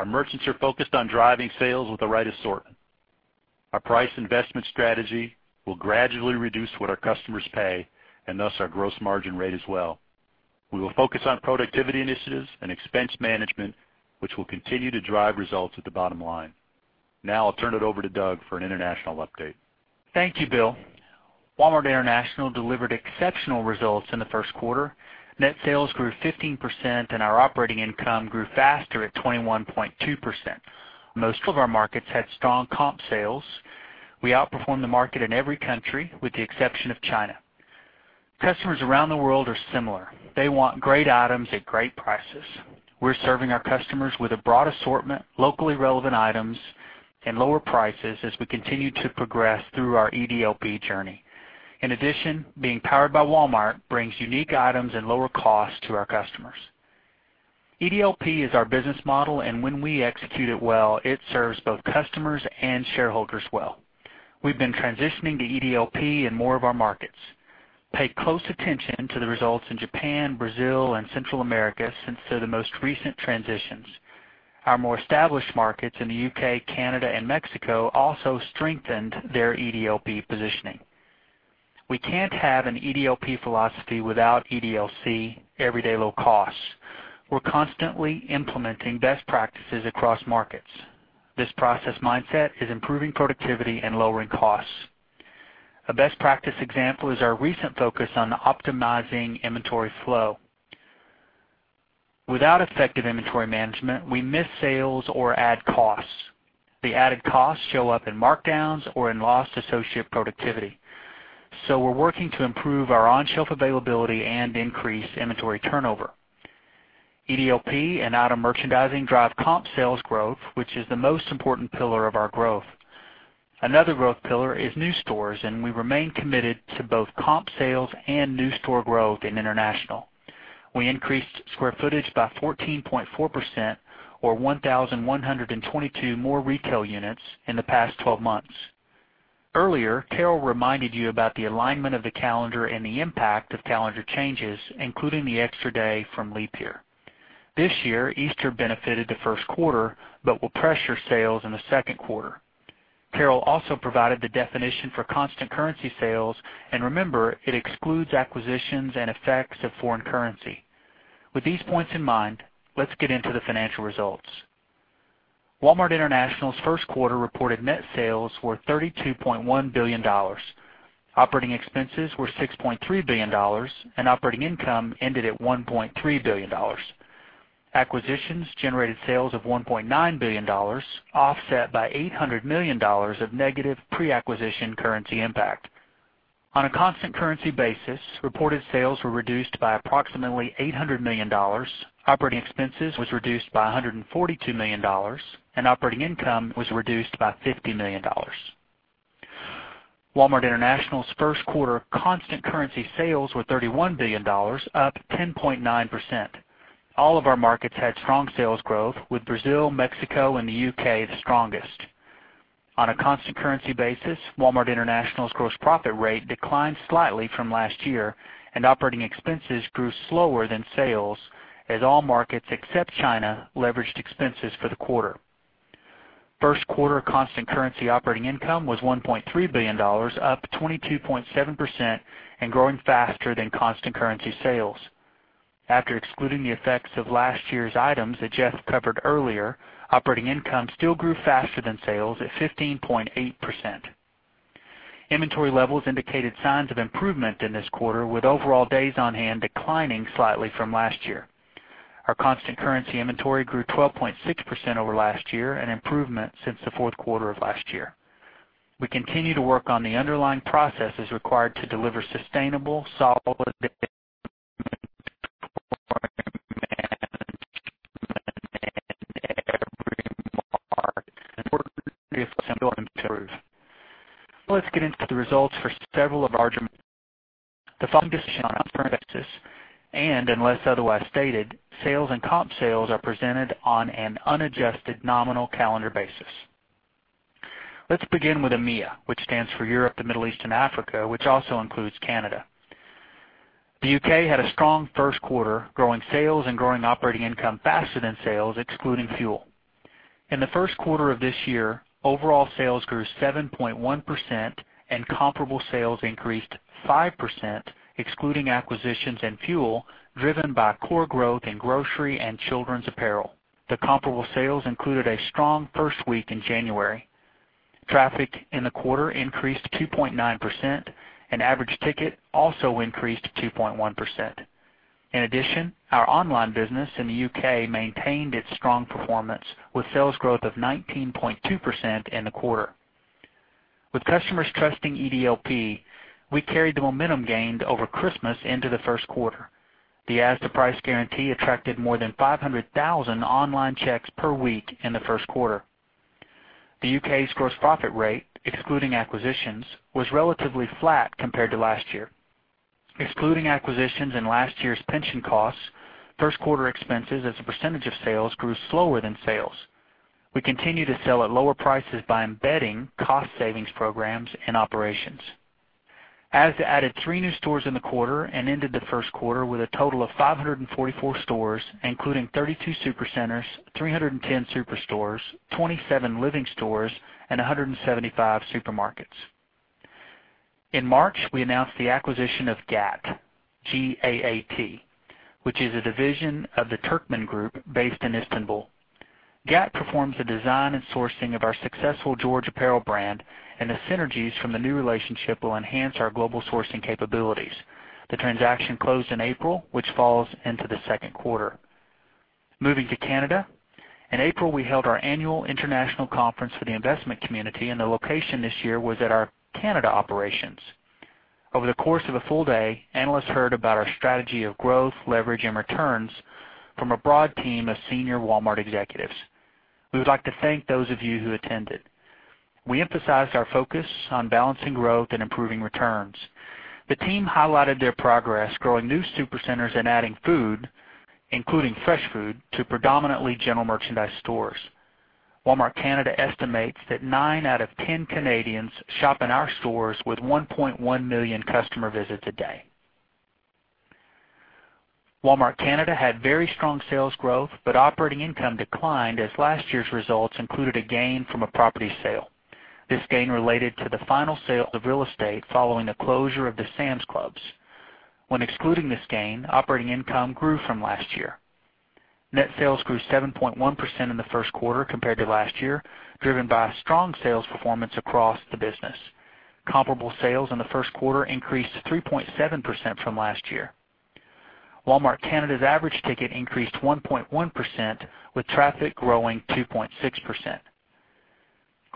Our merchants are focused on driving sales with the right assortment. Our price investment strategy will gradually reduce what our customers pay and thus our gross margin rate as well. We will focus on productivity initiatives and expense management, which will continue to drive results at the bottom line. Now I'll turn it over to Doug for an international update. Thank you, Bill. Walmart International delivered exceptional results in the first quarter. Net sales grew 15% and our operating income grew faster at 21.2%. Most of our markets had strong comp sales. We outperformed the market in every country with the exception of China. Customers around the world are similar. They want great items at great prices. We're serving our customers with a broad assortment, locally relevant items, and lower prices as we continue to progress through our EDLP journey. In addition, being Powered by Walmart brings unique items and lower costs to our customers. EDLP is our business model, and when we execute it well, it serves both customers and shareholders well. We've been transitioning to EDLP in more of our markets. Pay close attention to the results in Japan, Brazil, and Central America since they're the most recent transitions. Our more established markets in the U.K., Canada, and Mexico also strengthened their EDLP positioning. We can't have an EDLP philosophy without EDLC, everyday low costs. We're constantly implementing best practices across markets. This process mindset is improving productivity and lowering costs. A best practice example is our recent focus on optimizing inventory flow. Without effective inventory management, we miss sales or add costs. The added costs show up in markdowns or in lost associate productivity. We're working to improve our on-shelf availability and increase inventory turnover. EDLP and out of merchandising drive comp sales growth, which is the most important pillar of our growth. Another growth pillar is new stores, and we remain committed to both comp sales and new store growth in international. We increased square footage by 14.4% or 1,122 more retail units in the past 12 months. Earlier, Carol reminded you about the alignment of the calendar and the impact of calendar changes, including the extra day from leap year. This year, Easter benefited the first quarter but will pressure sales in the second quarter. Carol also provided the definition for constant currency sales and remember, it excludes acquisitions and effects of foreign currency. With these points in mind, let's get into the financial results. Walmart International's first quarter reported net sales were $32.1 billion. Operating expenses were $6.3 billion and operating income ended at $1.3 billion. Acquisitions generated sales of $1.9 billion, offset by $800 million of negative pre-acquisition currency impact. On a constant currency basis, reported sales were reduced by approximately $800 million, operating expenses was reduced by $142 million, and operating income was reduced by $50 million. Walmart International's first quarter constant currency sales were $31 billion, up 10.9%. All of our markets had strong sales growth with Brazil, Mexico, and the U.K. the strongest. On a constant currency basis, Walmart International's gross profit rate declined slightly from last year, and operating expenses grew slower than sales as all markets except China leveraged expenses for the quarter. First quarter constant currency operating income was $1.3 billion, up 22.7% and growing faster than constant currency sales. After excluding the effects of last year's items that Jeff covered earlier, operating income still grew faster than sales at 15.8%. Inventory levels indicated signs of improvement in this quarter, with overall days on hand declining slightly from last year. Our constant currency inventory grew 12.6% over last year, an improvement since the fourth quarter of last year. We continue to work on the underlying processes required to deliver sustainable, solid management in every market. Let's get into the results for several of our. Unless otherwise stated, sales and comp sales are presented on an unadjusted nominal calendar basis. Let's begin with EMEA, which stands for Europe, the Middle East, and Africa, which also includes Canada. The U.K. had a strong first quarter, growing sales and growing operating income faster than sales, excluding fuel. In the first quarter of this year, overall sales grew 7.1% and comparable sales increased 5%, excluding acquisitions and fuel, driven by core growth in grocery and children's apparel. The comparable sales included a strong first week in January. Traffic in the quarter increased 2.9% and average ticket also increased 2.1%. In addition, our online business in the U.K. maintained its strong performance with sales growth of 19.2% in the quarter. With customers trusting EDLP, we carried the momentum gained over Christmas into the first quarter. The Asda Price Guarantee attracted more than 500,000 online checks per week in the first quarter. The U.K.'s gross profit rate, excluding acquisitions, was relatively flat compared to last year. Excluding acquisitions and last year's pension costs, first quarter expenses as a percentage of sales grew slower than sales. We continue to sell at lower prices by embedding cost savings programs and operations. Asda added three new stores in the quarter and ended the first quarter with a total of 544 stores, including 32 supercenters, 310 superstores, 27 living stores, and 175 supermarkets. In March, we announced the acquisition of GAAT, G-A-A-T, which is a division of the Türkmen Group based in Istanbul. GAAT performs the design and sourcing of our successful George apparel brand, and the synergies from the new relationship will enhance our global sourcing capabilities. The transaction closed in April, which falls into the second quarter. Moving to Canada. In April, we held our annual international conference for the investment community. The location this year was at our Canada operations. Over the course of a full day, analysts heard about our strategy of growth, leverage, and returns from a broad team of senior Walmart executives. We would like to thank those of you who attended. We emphasized our focus on balancing growth and improving returns. The team highlighted their progress growing new supercenters and adding food including fresh food to predominantly general merchandise stores. Walmart Canada estimates that nine out of 10 Canadians shop in our stores with 1.1 million customer visits a day. Walmart Canada had very strong sales growth. Operating income declined as last year's results included a gain from a property sale. This gain related to the final sale of the real estate following the closure of the Sam's Club. Excluding this gain, operating income grew from last year. Net sales grew 7.1% in the first quarter compared to last year, driven by strong sales performance across the business. Comparable sales in the first quarter increased 3.7% from last year. Walmart Canada's average ticket increased 1.1%, with traffic growing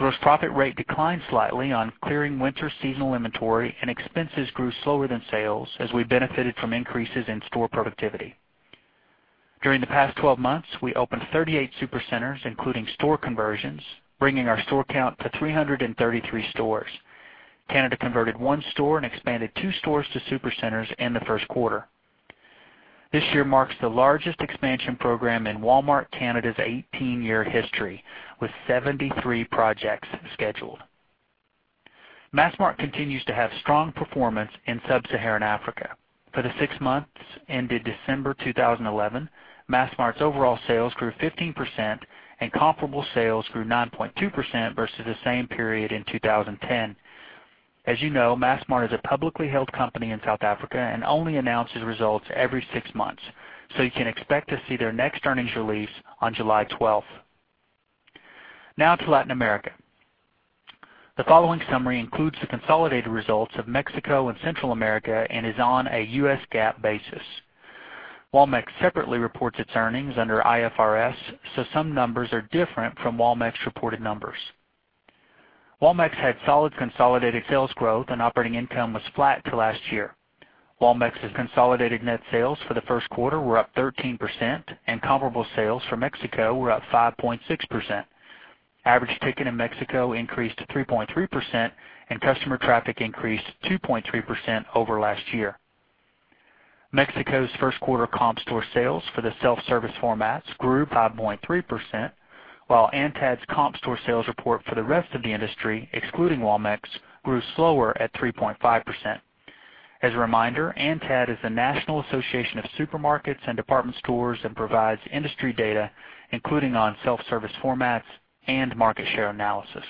2.6%. Expenses grew slower than sales as we benefited from increases in store productivity. During the past 12 months, we opened 38 Supercenters, including store conversions, bringing our store count to 333 stores. Canada converted one store and expanded two stores to Supercenters in the first quarter. This year marks the largest expansion program in Walmart Canada's 18-year history, with 73 projects scheduled. Massmart continues to have strong performance in sub-Saharan Africa. For the six months ended December 2011, Massmart's overall sales grew 15% and comparable sales grew 9.2% versus the same period in 2010. As you know, Massmart is a publicly held company in South Africa and only announces results every six months. You can expect to see their next earnings release on July 12th. To Latin America. The following summary includes the consolidated results of Mexico and Central America and is on a US GAAP basis. Walmex separately reports its earnings under IFRS, some numbers are different from Walmex-reported numbers. Walmex had solid consolidated sales growth and operating income was flat to last year. Walmex's consolidated net sales for the first quarter were up 13%, and comparable sales for Mexico were up 5.6%. Average ticket in Mexico increased to 3.3%, and customer traffic increased 2.3% over last year. Mexico's first quarter comp store sales for the self-service formats grew 5.3%, while ANTAD's comp store sales report for the rest of the industry, excluding Walmex, grew slower at 3.5%. As a reminder, ANTAD is the National Association of Supermarkets and Department Stores and provides industry data, including on self-service formats and market share analysis.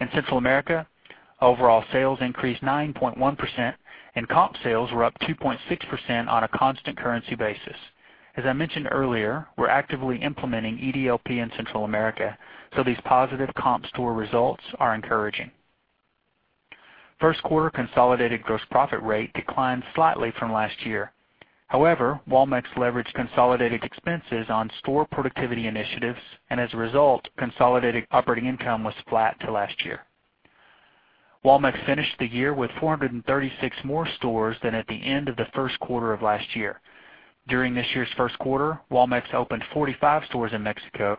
In Central America, overall sales increased 9.1%, and comp sales were up 2.6% on a constant currency basis. As I mentioned earlier, we're actively implementing EDLP in Central America, these positive comp store results are encouraging. First quarter consolidated gross profit rate declined slightly from last year. Walmex leveraged consolidated expenses on store productivity initiatives, as a result, consolidated operating income was flat to last year. Walmex finished the year with 436 more stores than at the end of the first quarter of last year. During this year's first quarter, Walmex opened 45 stores in Mexico.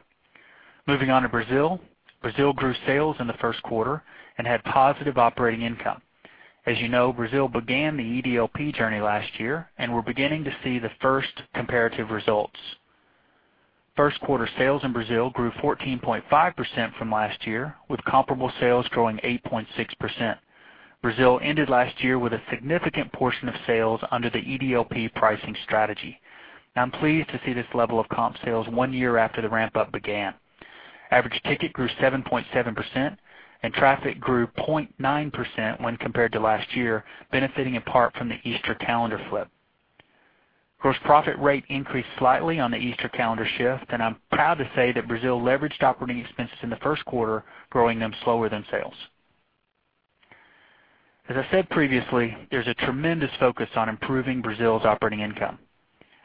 To Brazil. Brazil grew sales in the first quarter and had positive operating income. As you know, Brazil began the EDLP journey last year, we're beginning to see the first comparative results. First quarter sales in Brazil grew 14.5% from last year, with comparable sales growing 8.6%. Brazil ended last year with a significant portion of sales under the EDLP pricing strategy. I'm pleased to see this level of comp sales one year after the ramp-up began. Average ticket grew 7.7% and traffic grew 0.9% when compared to last year, benefiting in part from the Easter calendar flip. Gross profit rate increased slightly on the Easter calendar shift, I'm proud to say that Brazil leveraged operating expenses in the first quarter, growing them slower than sales. As I said previously, there's a tremendous focus on improving Brazil's operating income.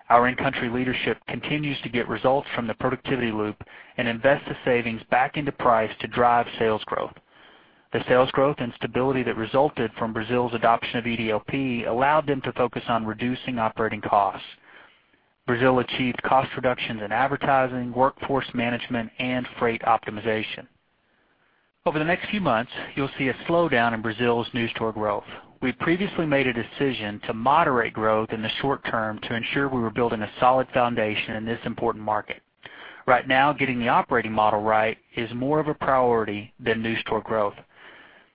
Our in-country leadership continues to get results from the productivity loop and invest the savings back into price to drive sales growth. The sales growth and stability that resulted from Brazil's adoption of EDLP allowed them to focus on reducing operating costs. Brazil achieved cost reductions in advertising, workforce management, and freight optimization. The next few months, you'll see a slowdown in Brazil's new store growth. We previously made a decision to moderate growth in the short term to ensure we were building a solid foundation in this important market. Right now, getting the operating model right is more of a priority than new store growth.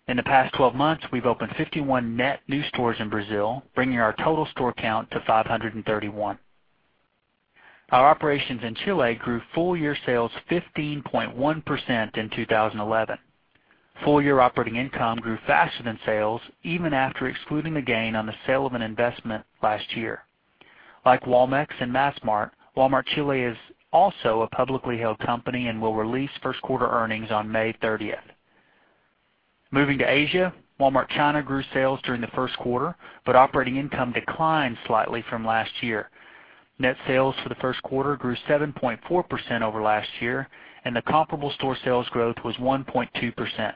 In the past 12 months, we've opened 51 net new stores in Brazil, bringing our total store count to 531. Our operations in Chile grew full-year sales 15.1% in 2011. Full-year operating income grew faster than sales even after excluding the gain on the sale of an investment last year. Like Walmex and Massmart, Walmart Chile is also a publicly held company and will release first quarter earnings on May 30th. Moving to Asia, Walmart China grew sales during the first quarter. Operating income declined slightly from last year. Net sales for the first quarter grew 7.4% over last year, and the comparable store sales growth was 1.2%.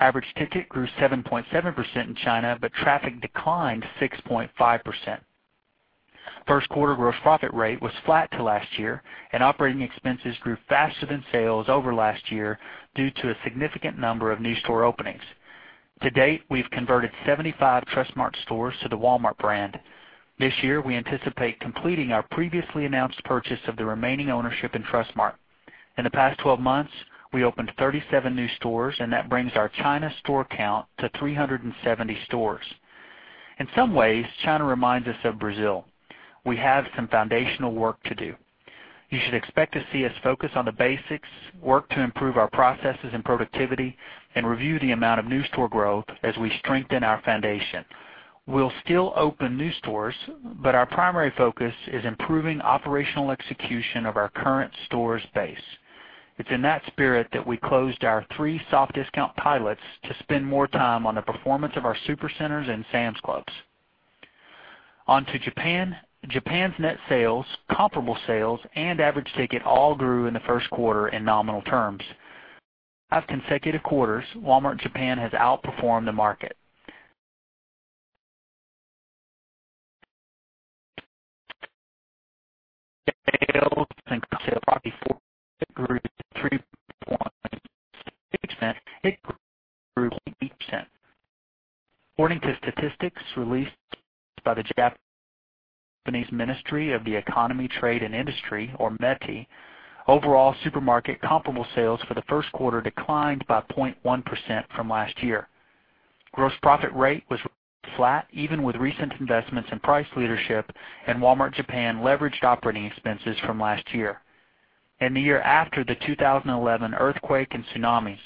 Average ticket grew 7.7% in China. Traffic declined 6.5%. First quarter gross profit rate was flat to last year. Operating expenses grew faster than sales over last year due to a significant number of new store openings. To date, we've converted 75 Trust-Mart stores to the Walmart brand. This year, we anticipate completing our previously announced purchase of the remaining ownership in Trust-Mart. In the past 12 months, we opened 37 new stores. That brings our China store count to 370 stores. In some ways, China reminds us of Brazil. We have some foundational work to do. You should expect to see us focus on the basics, work to improve our processes and productivity, and review the amount of new store growth as we strengthen our foundation. We'll still open new stores, but our primary focus is improving operational execution of our current store space. It's in that spirit that we closed our three soft discount pilots to spend more time on the performance of our Supercenters and Sam's Club. On to Japan. Japan's net sales, comparable sales, average ticket all grew in the first quarter in nominal terms. Of consecutive quarters, Walmart Japan has outperformed the market. According to statistics released by the Japanese Ministry of the Economy, Trade and Industry, or METI, overall supermarket comparable sales for the first quarter declined by 0.1% from last year. Gross profit rate was flat even with recent investments in price leadership. Walmart Japan leveraged operating expenses from last year. In the year after the 2011 earthquake and tsunamis,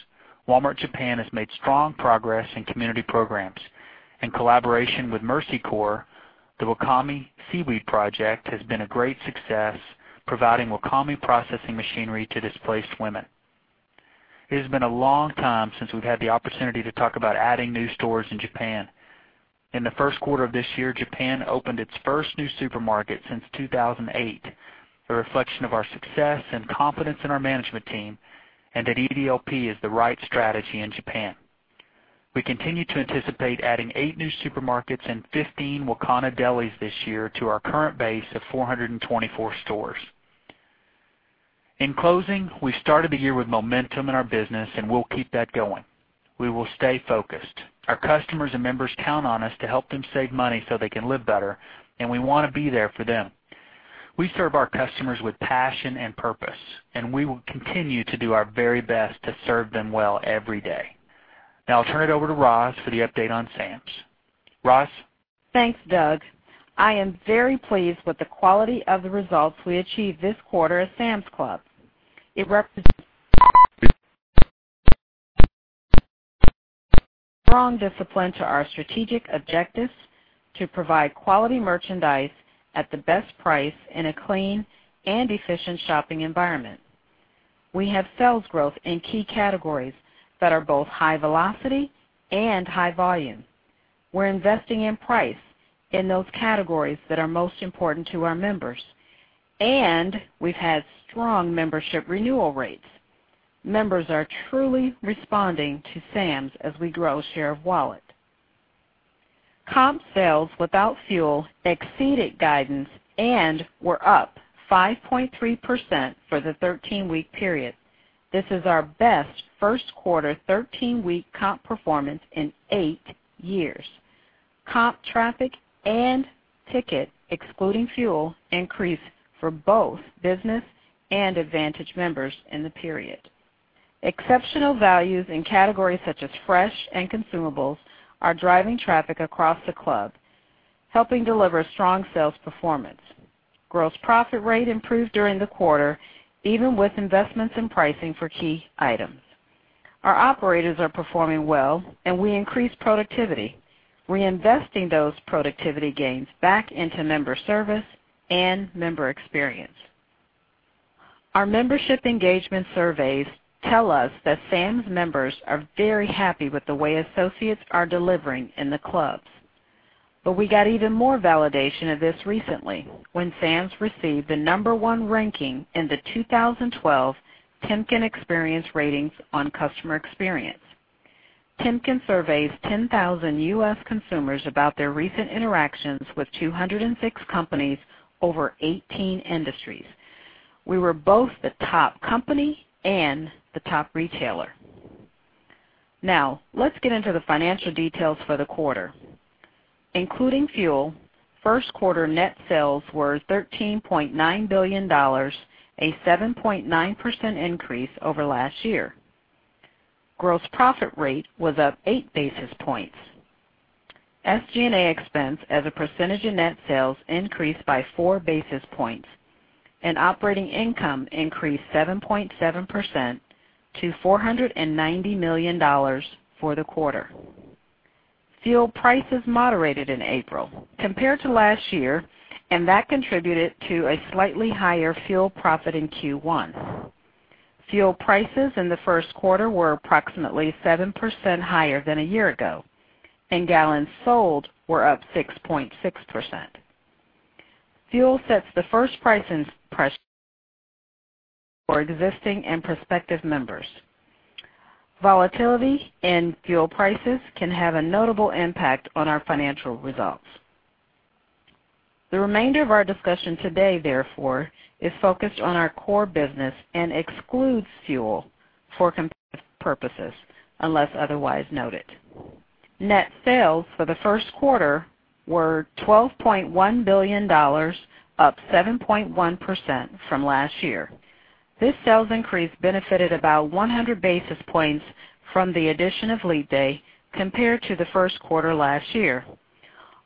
Walmart Japan has made strong progress in community programs. In collaboration with Mercy Corps, the Wakame Seaweed Project has been a great success, providing Wakame processing machinery to displaced women. It has been a long time since we've had the opportunity to talk about adding new stores in Japan. In the first quarter of this year, Japan opened its first new supermarket since 2008, a reflection of our success and confidence in our management team. That EDLP is the right strategy in Japan. We continue to anticipate adding eight new supermarkets and 15 Wakana Delis this year to our current base of 424 stores. In closing, we started the year with momentum in our business. We'll keep that going. We will stay focused. Our customers and members count on us to help them save money so they can live better, and we want to be there for them. We serve our customers with passion and purpose. We will continue to do our very best to serve them well every day. Now I'll turn it over to Roz for the update on Sam's. Roz? Thanks, Doug. I am very pleased with the quality of the results we achieved this quarter at Sam's Club. It represents strong discipline to our strategic objectives to provide quality merchandise at the best price in a clean and efficient shopping environment. We have sales growth in key categories that are both high velocity and high volume. We're investing in price in those categories that are most important to our members, and we've had strong membership renewal rates. Members are truly responding to Sam's as we grow share of wallet. Comp sales without fuel exceeded guidance and were up 5.3% for the 13-week period. This is our best first quarter, 13-week comp performance in eight years. Comp traffic and ticket, excluding fuel, increased for both business and advantage members in the period. Exceptional values in categories such as fresh and consumables are driving traffic across the club, helping deliver strong sales performance. Gross profit rate improved during the quarter, even with investments in pricing for key items. Our operators are performing well, and we increased productivity, reinvesting those productivity gains back into member service and member experience. Our membership engagement surveys tell us that Sam's members are very happy with the way associates are delivering in the clubs. We got even more validation of this recently when Sam's received the number 1 ranking in the 2012 Temkin Experience Ratings on customer experience. Temkin surveys 10,000 U.S. consumers about their recent interactions with 206 companies over 18 industries. We were both the top company and the top retailer. Let's get into the financial details for the quarter. Including fuel, first quarter net sales were $13.9 billion, a 7.9% increase over last year. Gross profit rate was up eight basis points. SG&A expense as a percentage of net sales increased by four basis points, and operating income increased 7.7% to $490 million for the quarter. Fuel prices moderated in April compared to last year, and that contributed to a slightly higher fuel profit in Q1. Fuel prices in the first quarter were approximately 7% higher than a year ago, and gallons sold were up 6.6%. Fuel sets the first price and for existing and prospective members. Volatility in fuel prices can have a notable impact on our financial results. The remainder of our discussion today, therefore, is focused on our core business and excludes fuel for comparative purposes, unless otherwise noted. Net sales for the first quarter were $12.1 billion, up 7.1% from last year. This sales increase benefited about 100 basis points from the addition of Leap Day compared to the first quarter last year.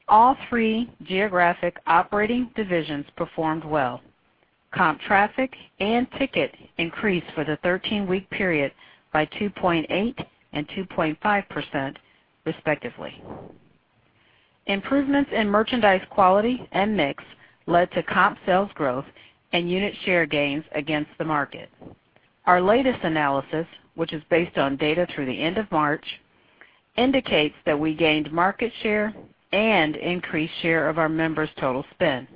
All three geographic operating divisions performed well. Comp traffic and ticket increased for the 13-week period by 2.8 and 2.5%, respectively. Improvements in merchandise quality and mix led to comp sales growth and unit share gains against the market. Our latest analysis, which is based on data through the end of March, indicates that we gained market share and increased share of our members' total spend.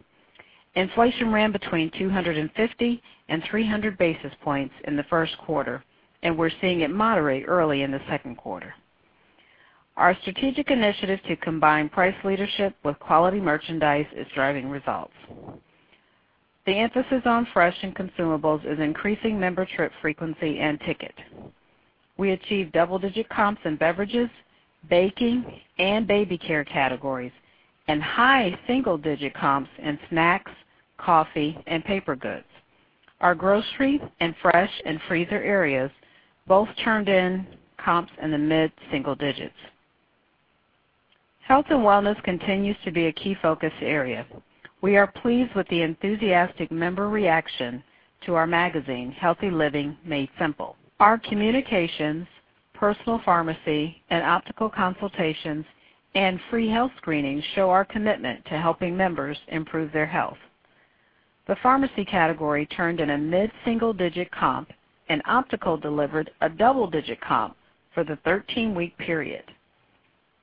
Inflation ran between 250 and 300 basis points in the first quarter, and we're seeing it moderate early in the second quarter. Our strategic initiative to combine price leadership with quality merchandise is driving results. The emphasis on fresh and consumables is increasing member trip frequency and ticket. We achieved double-digit comps in beverages, baking, and baby care categories, and high single-digit comps in snacks, coffee, and paper goods. Our grocery and fresh and freezer areas both turned in comps in the mid-single digits. Health and wellness continues to be a key focus area. We are pleased with the enthusiastic member reaction to our magazine, "Healthy Living Made Simple." Our communications, personal pharmacy, and optical consultations, and free health screenings show our commitment to helping members improve their health. The pharmacy category turned in a mid-single-digit comp, and optical delivered a double-digit comp for the 13-week period.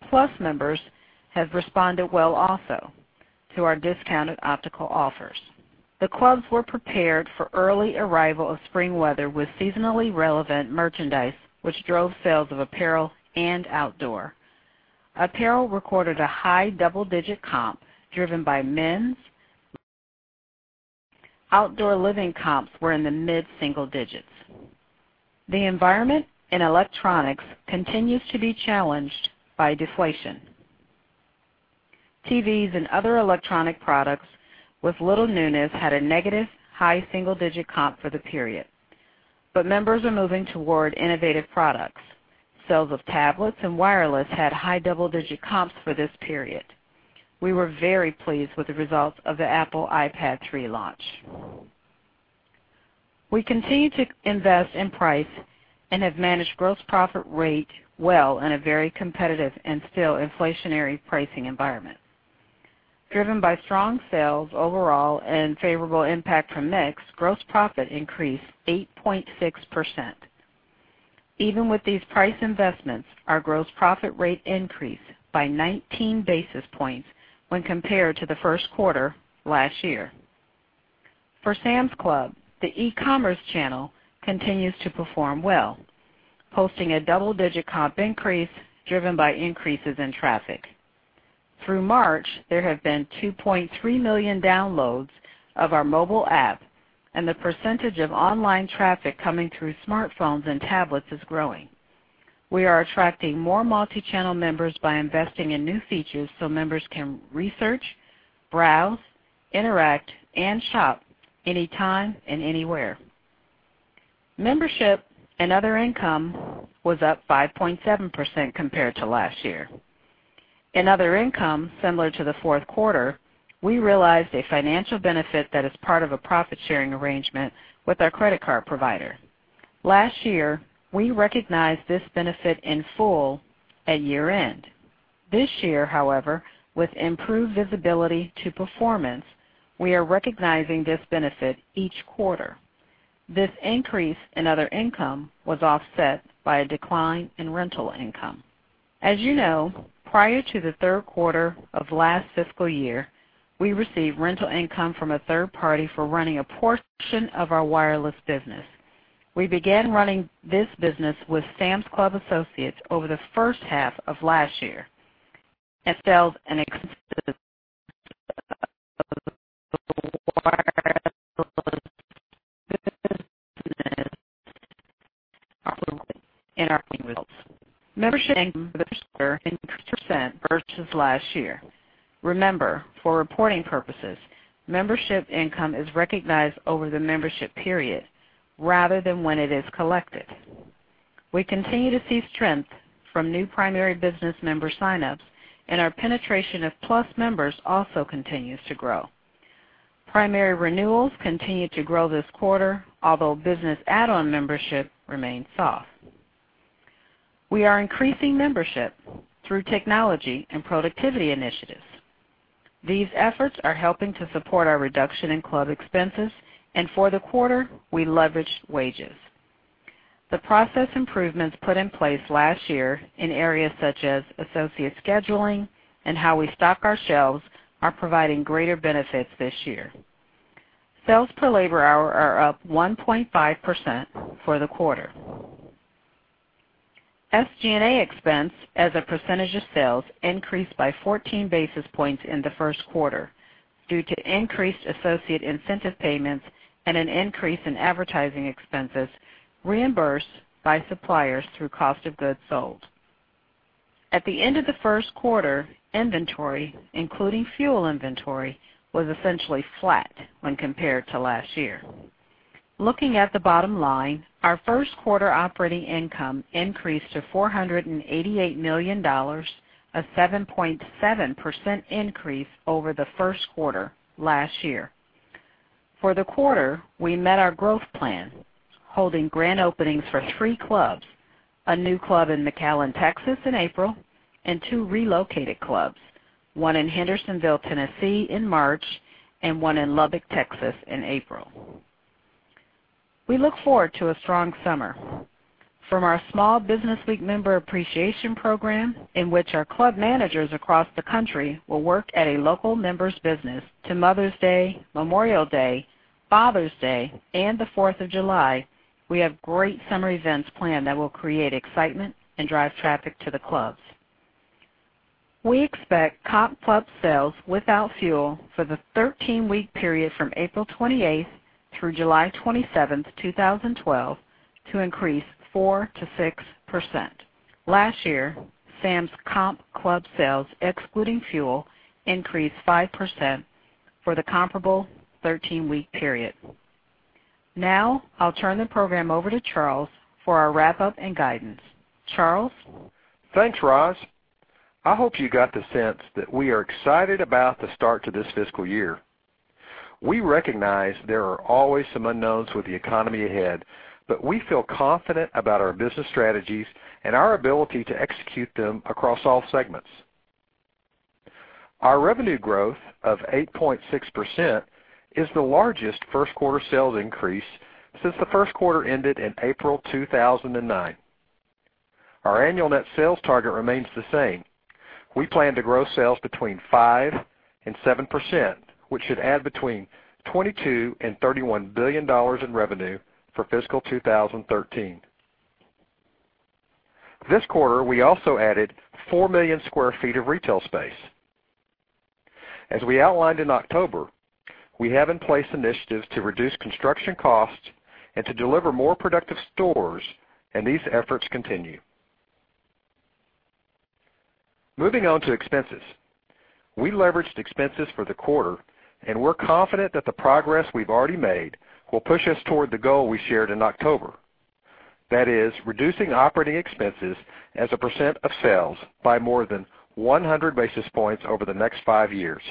Plus members have responded well also to our discounted optical offers. The clubs were prepared for early arrival of spring weather with seasonally relevant merchandise, which drove sales of apparel and outdoor. Apparel recorded a high double-digit comp driven by men's. Outdoor living comps were in the mid-single digits. The environment in electronics continues to be challenged by deflation. TVs and other electronic products with little newness had a negative high single-digit comp for the period, but members are moving toward innovative products. Sales of tablets and wireless had high double-digit comps for this period. We were very pleased with the results of the Apple iPad 3 launch. We continue to invest in price and have managed gross profit rate well in a very competitive and still inflationary pricing environment. Driven by strong sales overall and favorable impact from mix, gross profit increased 8.6%. Even with these price investments, our gross profit rate increased by 19 basis points when compared to the first quarter last year. For Sam's Club, the e-commerce channel continues to perform well, posting a double-digit comp increase driven by increases in traffic. Through March, there have been 2.3 million downloads of our mobile app, and the percentage of online traffic coming through smartphones and tablets is growing. We are attracting more multi-channel members by investing in new features so members can research, browse, interact, and shop anytime and anywhere. Membership and other income was up 5.7% compared to last year. In other income, similar to the fourth quarter, we realized a financial benefit that is part of a profit-sharing arrangement with our credit card provider. Last year, we recognized this benefit in full at year-end. This year, however, with improved visibility to performance, we are recognizing this benefit each quarter. This increase in other income was offset by a decline in rental income. As you know, prior to the third quarter of last fiscal year, we received rental income from a third party for running a portion of our wireless business. We began running this business with Sam's Club associates over the first half of last year, and sales and expenses of the wireless business are included in our earnings. Membership income for the quarter increased 2% versus last year. Remember, for reporting purposes, membership income is recognized over the membership period rather than when it is collected. We continue to see strength from new primary business member sign-ups, and our penetration of Plus members also continues to grow. Primary renewals continued to grow this quarter, although business add-on membership remained soft. We are increasing membership through technology and productivity initiatives. These efforts are helping to support our reduction in club expenses, and for the quarter, we leveraged wages. The process improvements put in place last year in areas such as associate scheduling and how we stock our shelves are providing greater benefits this year. Sales per labor hour are up 1.5% for the quarter. SG&A expense as a percentage of sales increased by 14 basis points in the first quarter due to increased associate incentive payments and an increase in advertising expenses reimbursed by suppliers through cost of goods sold. At the end of the first quarter, inventory, including fuel inventory, was essentially flat when compared to last year. Looking at the bottom line, our first quarter operating income increased to $488 million, a 7.7% increase over the first quarter last year. For the quarter, we met our growth plan, holding grand openings for three clubs, a new club in McAllen, Texas in April, and two relocated clubs, one in Hendersonville, Tennessee in March, and one in Lubbock, Texas in April. We look forward to a strong summer. From our Small Business Week member appreciation program, in which our club managers across the country will work at a local member's business, to Mother's Day, Memorial Day, Father's Day, and the Fourth of July, we have great summer events planned that will create excitement and drive traffic to the clubs. We expect comp club sales without fuel for the 13-week period from April 28th through July 27, 2012, to increase 4%-6%. Last year, Sam's comp club sales, excluding fuel, increased 5% for the comparable 13-week period. I'll turn the program over to Charles for our wrap-up and guidance. Charles? Thanks, Roz. I hope you got the sense that we are excited about the start to this fiscal year. We recognize there are always some unknowns with the economy ahead, we feel confident about our business strategies and our ability to execute them across all segments. Our revenue growth of 8.6% is the largest first-quarter sales increase since the first quarter ended in April 2009. Our annual net sales target remains the same. We plan to grow sales between 5% and 7%, which should add between $22 billion and $31 billion in revenue for fiscal 2013. This quarter, we also added four million square feet of retail space. As we outlined in October, we have in place initiatives to reduce construction costs and to deliver more productive stores, these efforts continue. Moving on to expenses. We leveraged expenses for the quarter, we're confident that the progress we've already made will push us toward the goal we shared in October. That is reducing operating expenses as a percent of sales by more than 100 basis points over the next five years.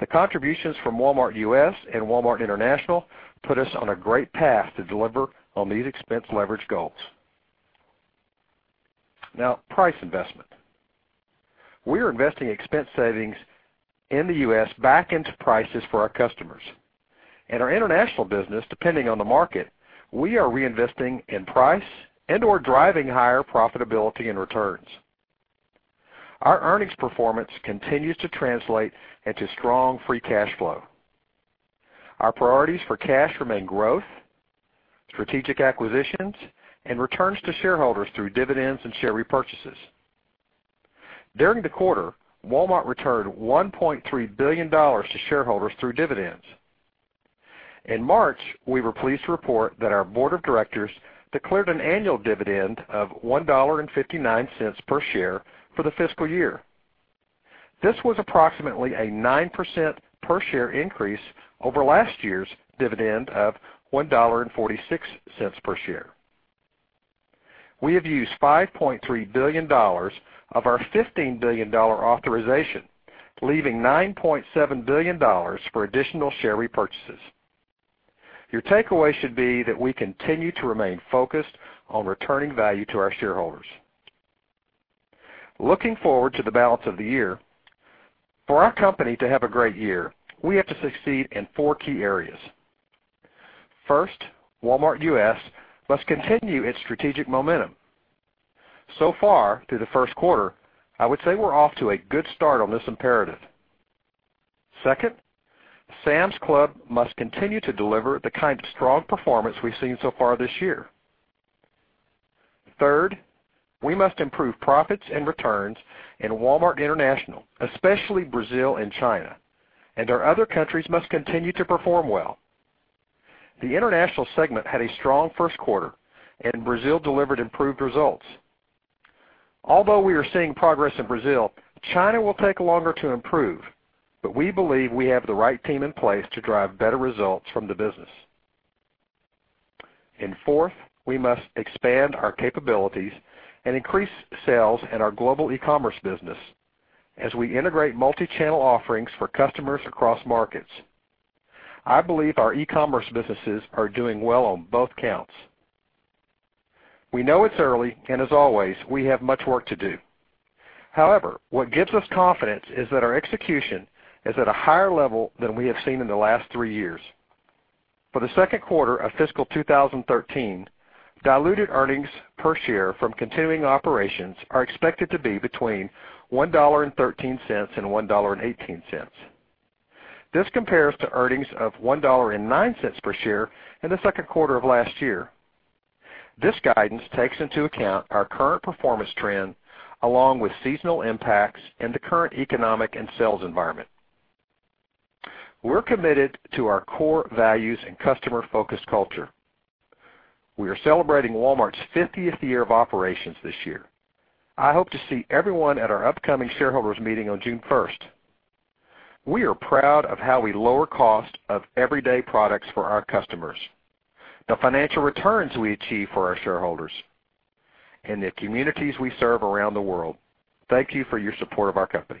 The contributions from Walmart U.S. and Walmart International put us on a great path to deliver on these expense leverage goals. Price investment. We are investing expense savings in the U.S. back into prices for our customers. In our international business, depending on the market, we are reinvesting in price and/or driving higher profitability and returns. Our earnings performance continues to translate into strong free cash flow. Our priorities for cash remain growth, strategic acquisitions, and returns to shareholders through dividends and share repurchases. During the quarter, Walmart returned $1.3 billion to shareholders through dividends. In March, we were pleased to report that our board of directors declared an annual dividend of $1.59 per share for the fiscal year. This was approximately a 9% per-share increase over last year's dividend of $1.46 per share. We have used $5.3 billion of our $15 billion authorization, leaving $9.7 billion for additional share repurchases. Your takeaway should be that we continue to remain focused on returning value to our shareholders. Looking forward to the balance of the year, for our company to have a great year, we have to succeed in four key areas. First, Walmart U.S. must continue its strategic momentum. So far, through the first quarter, I would say we're off to a good start on this imperative. Second, Sam's Club must continue to deliver the kind of strong performance we've seen so far this year. Third, we must improve profits and returns in Walmart International, especially Brazil and China. Our other countries must continue to perform well. The international segment had a strong first quarter. Brazil delivered improved results. Although we are seeing progress in Brazil, China will take longer to improve, but we believe we have the right team in place to drive better results from the business. Fourth, we must expand our capabilities and increase sales at our global e-commerce business as we integrate multi-channel offerings for customers across markets. I believe our e-commerce businesses are doing well on both counts. We know it's early. As always, we have much work to do. However, what gives us confidence is that our execution is at a higher level than we have seen in the last three years. For the second quarter of fiscal 2013, diluted earnings per share from continuing operations are expected to be between $1.13-$1.18. This compares to earnings of $1.09 per share in the second quarter of last year. This guidance takes into account our current performance trend, along with seasonal impacts and the current economic and sales environment. We're committed to our core values and customer-focused culture. We are celebrating Walmart's 50th year of operations this year. I hope to see everyone at our upcoming shareholders meeting on June 1st. We are proud of how we lower cost of everyday products for our customers, the financial returns we achieve for our shareholders, and the communities we serve around the world. Thank you for your support of our company.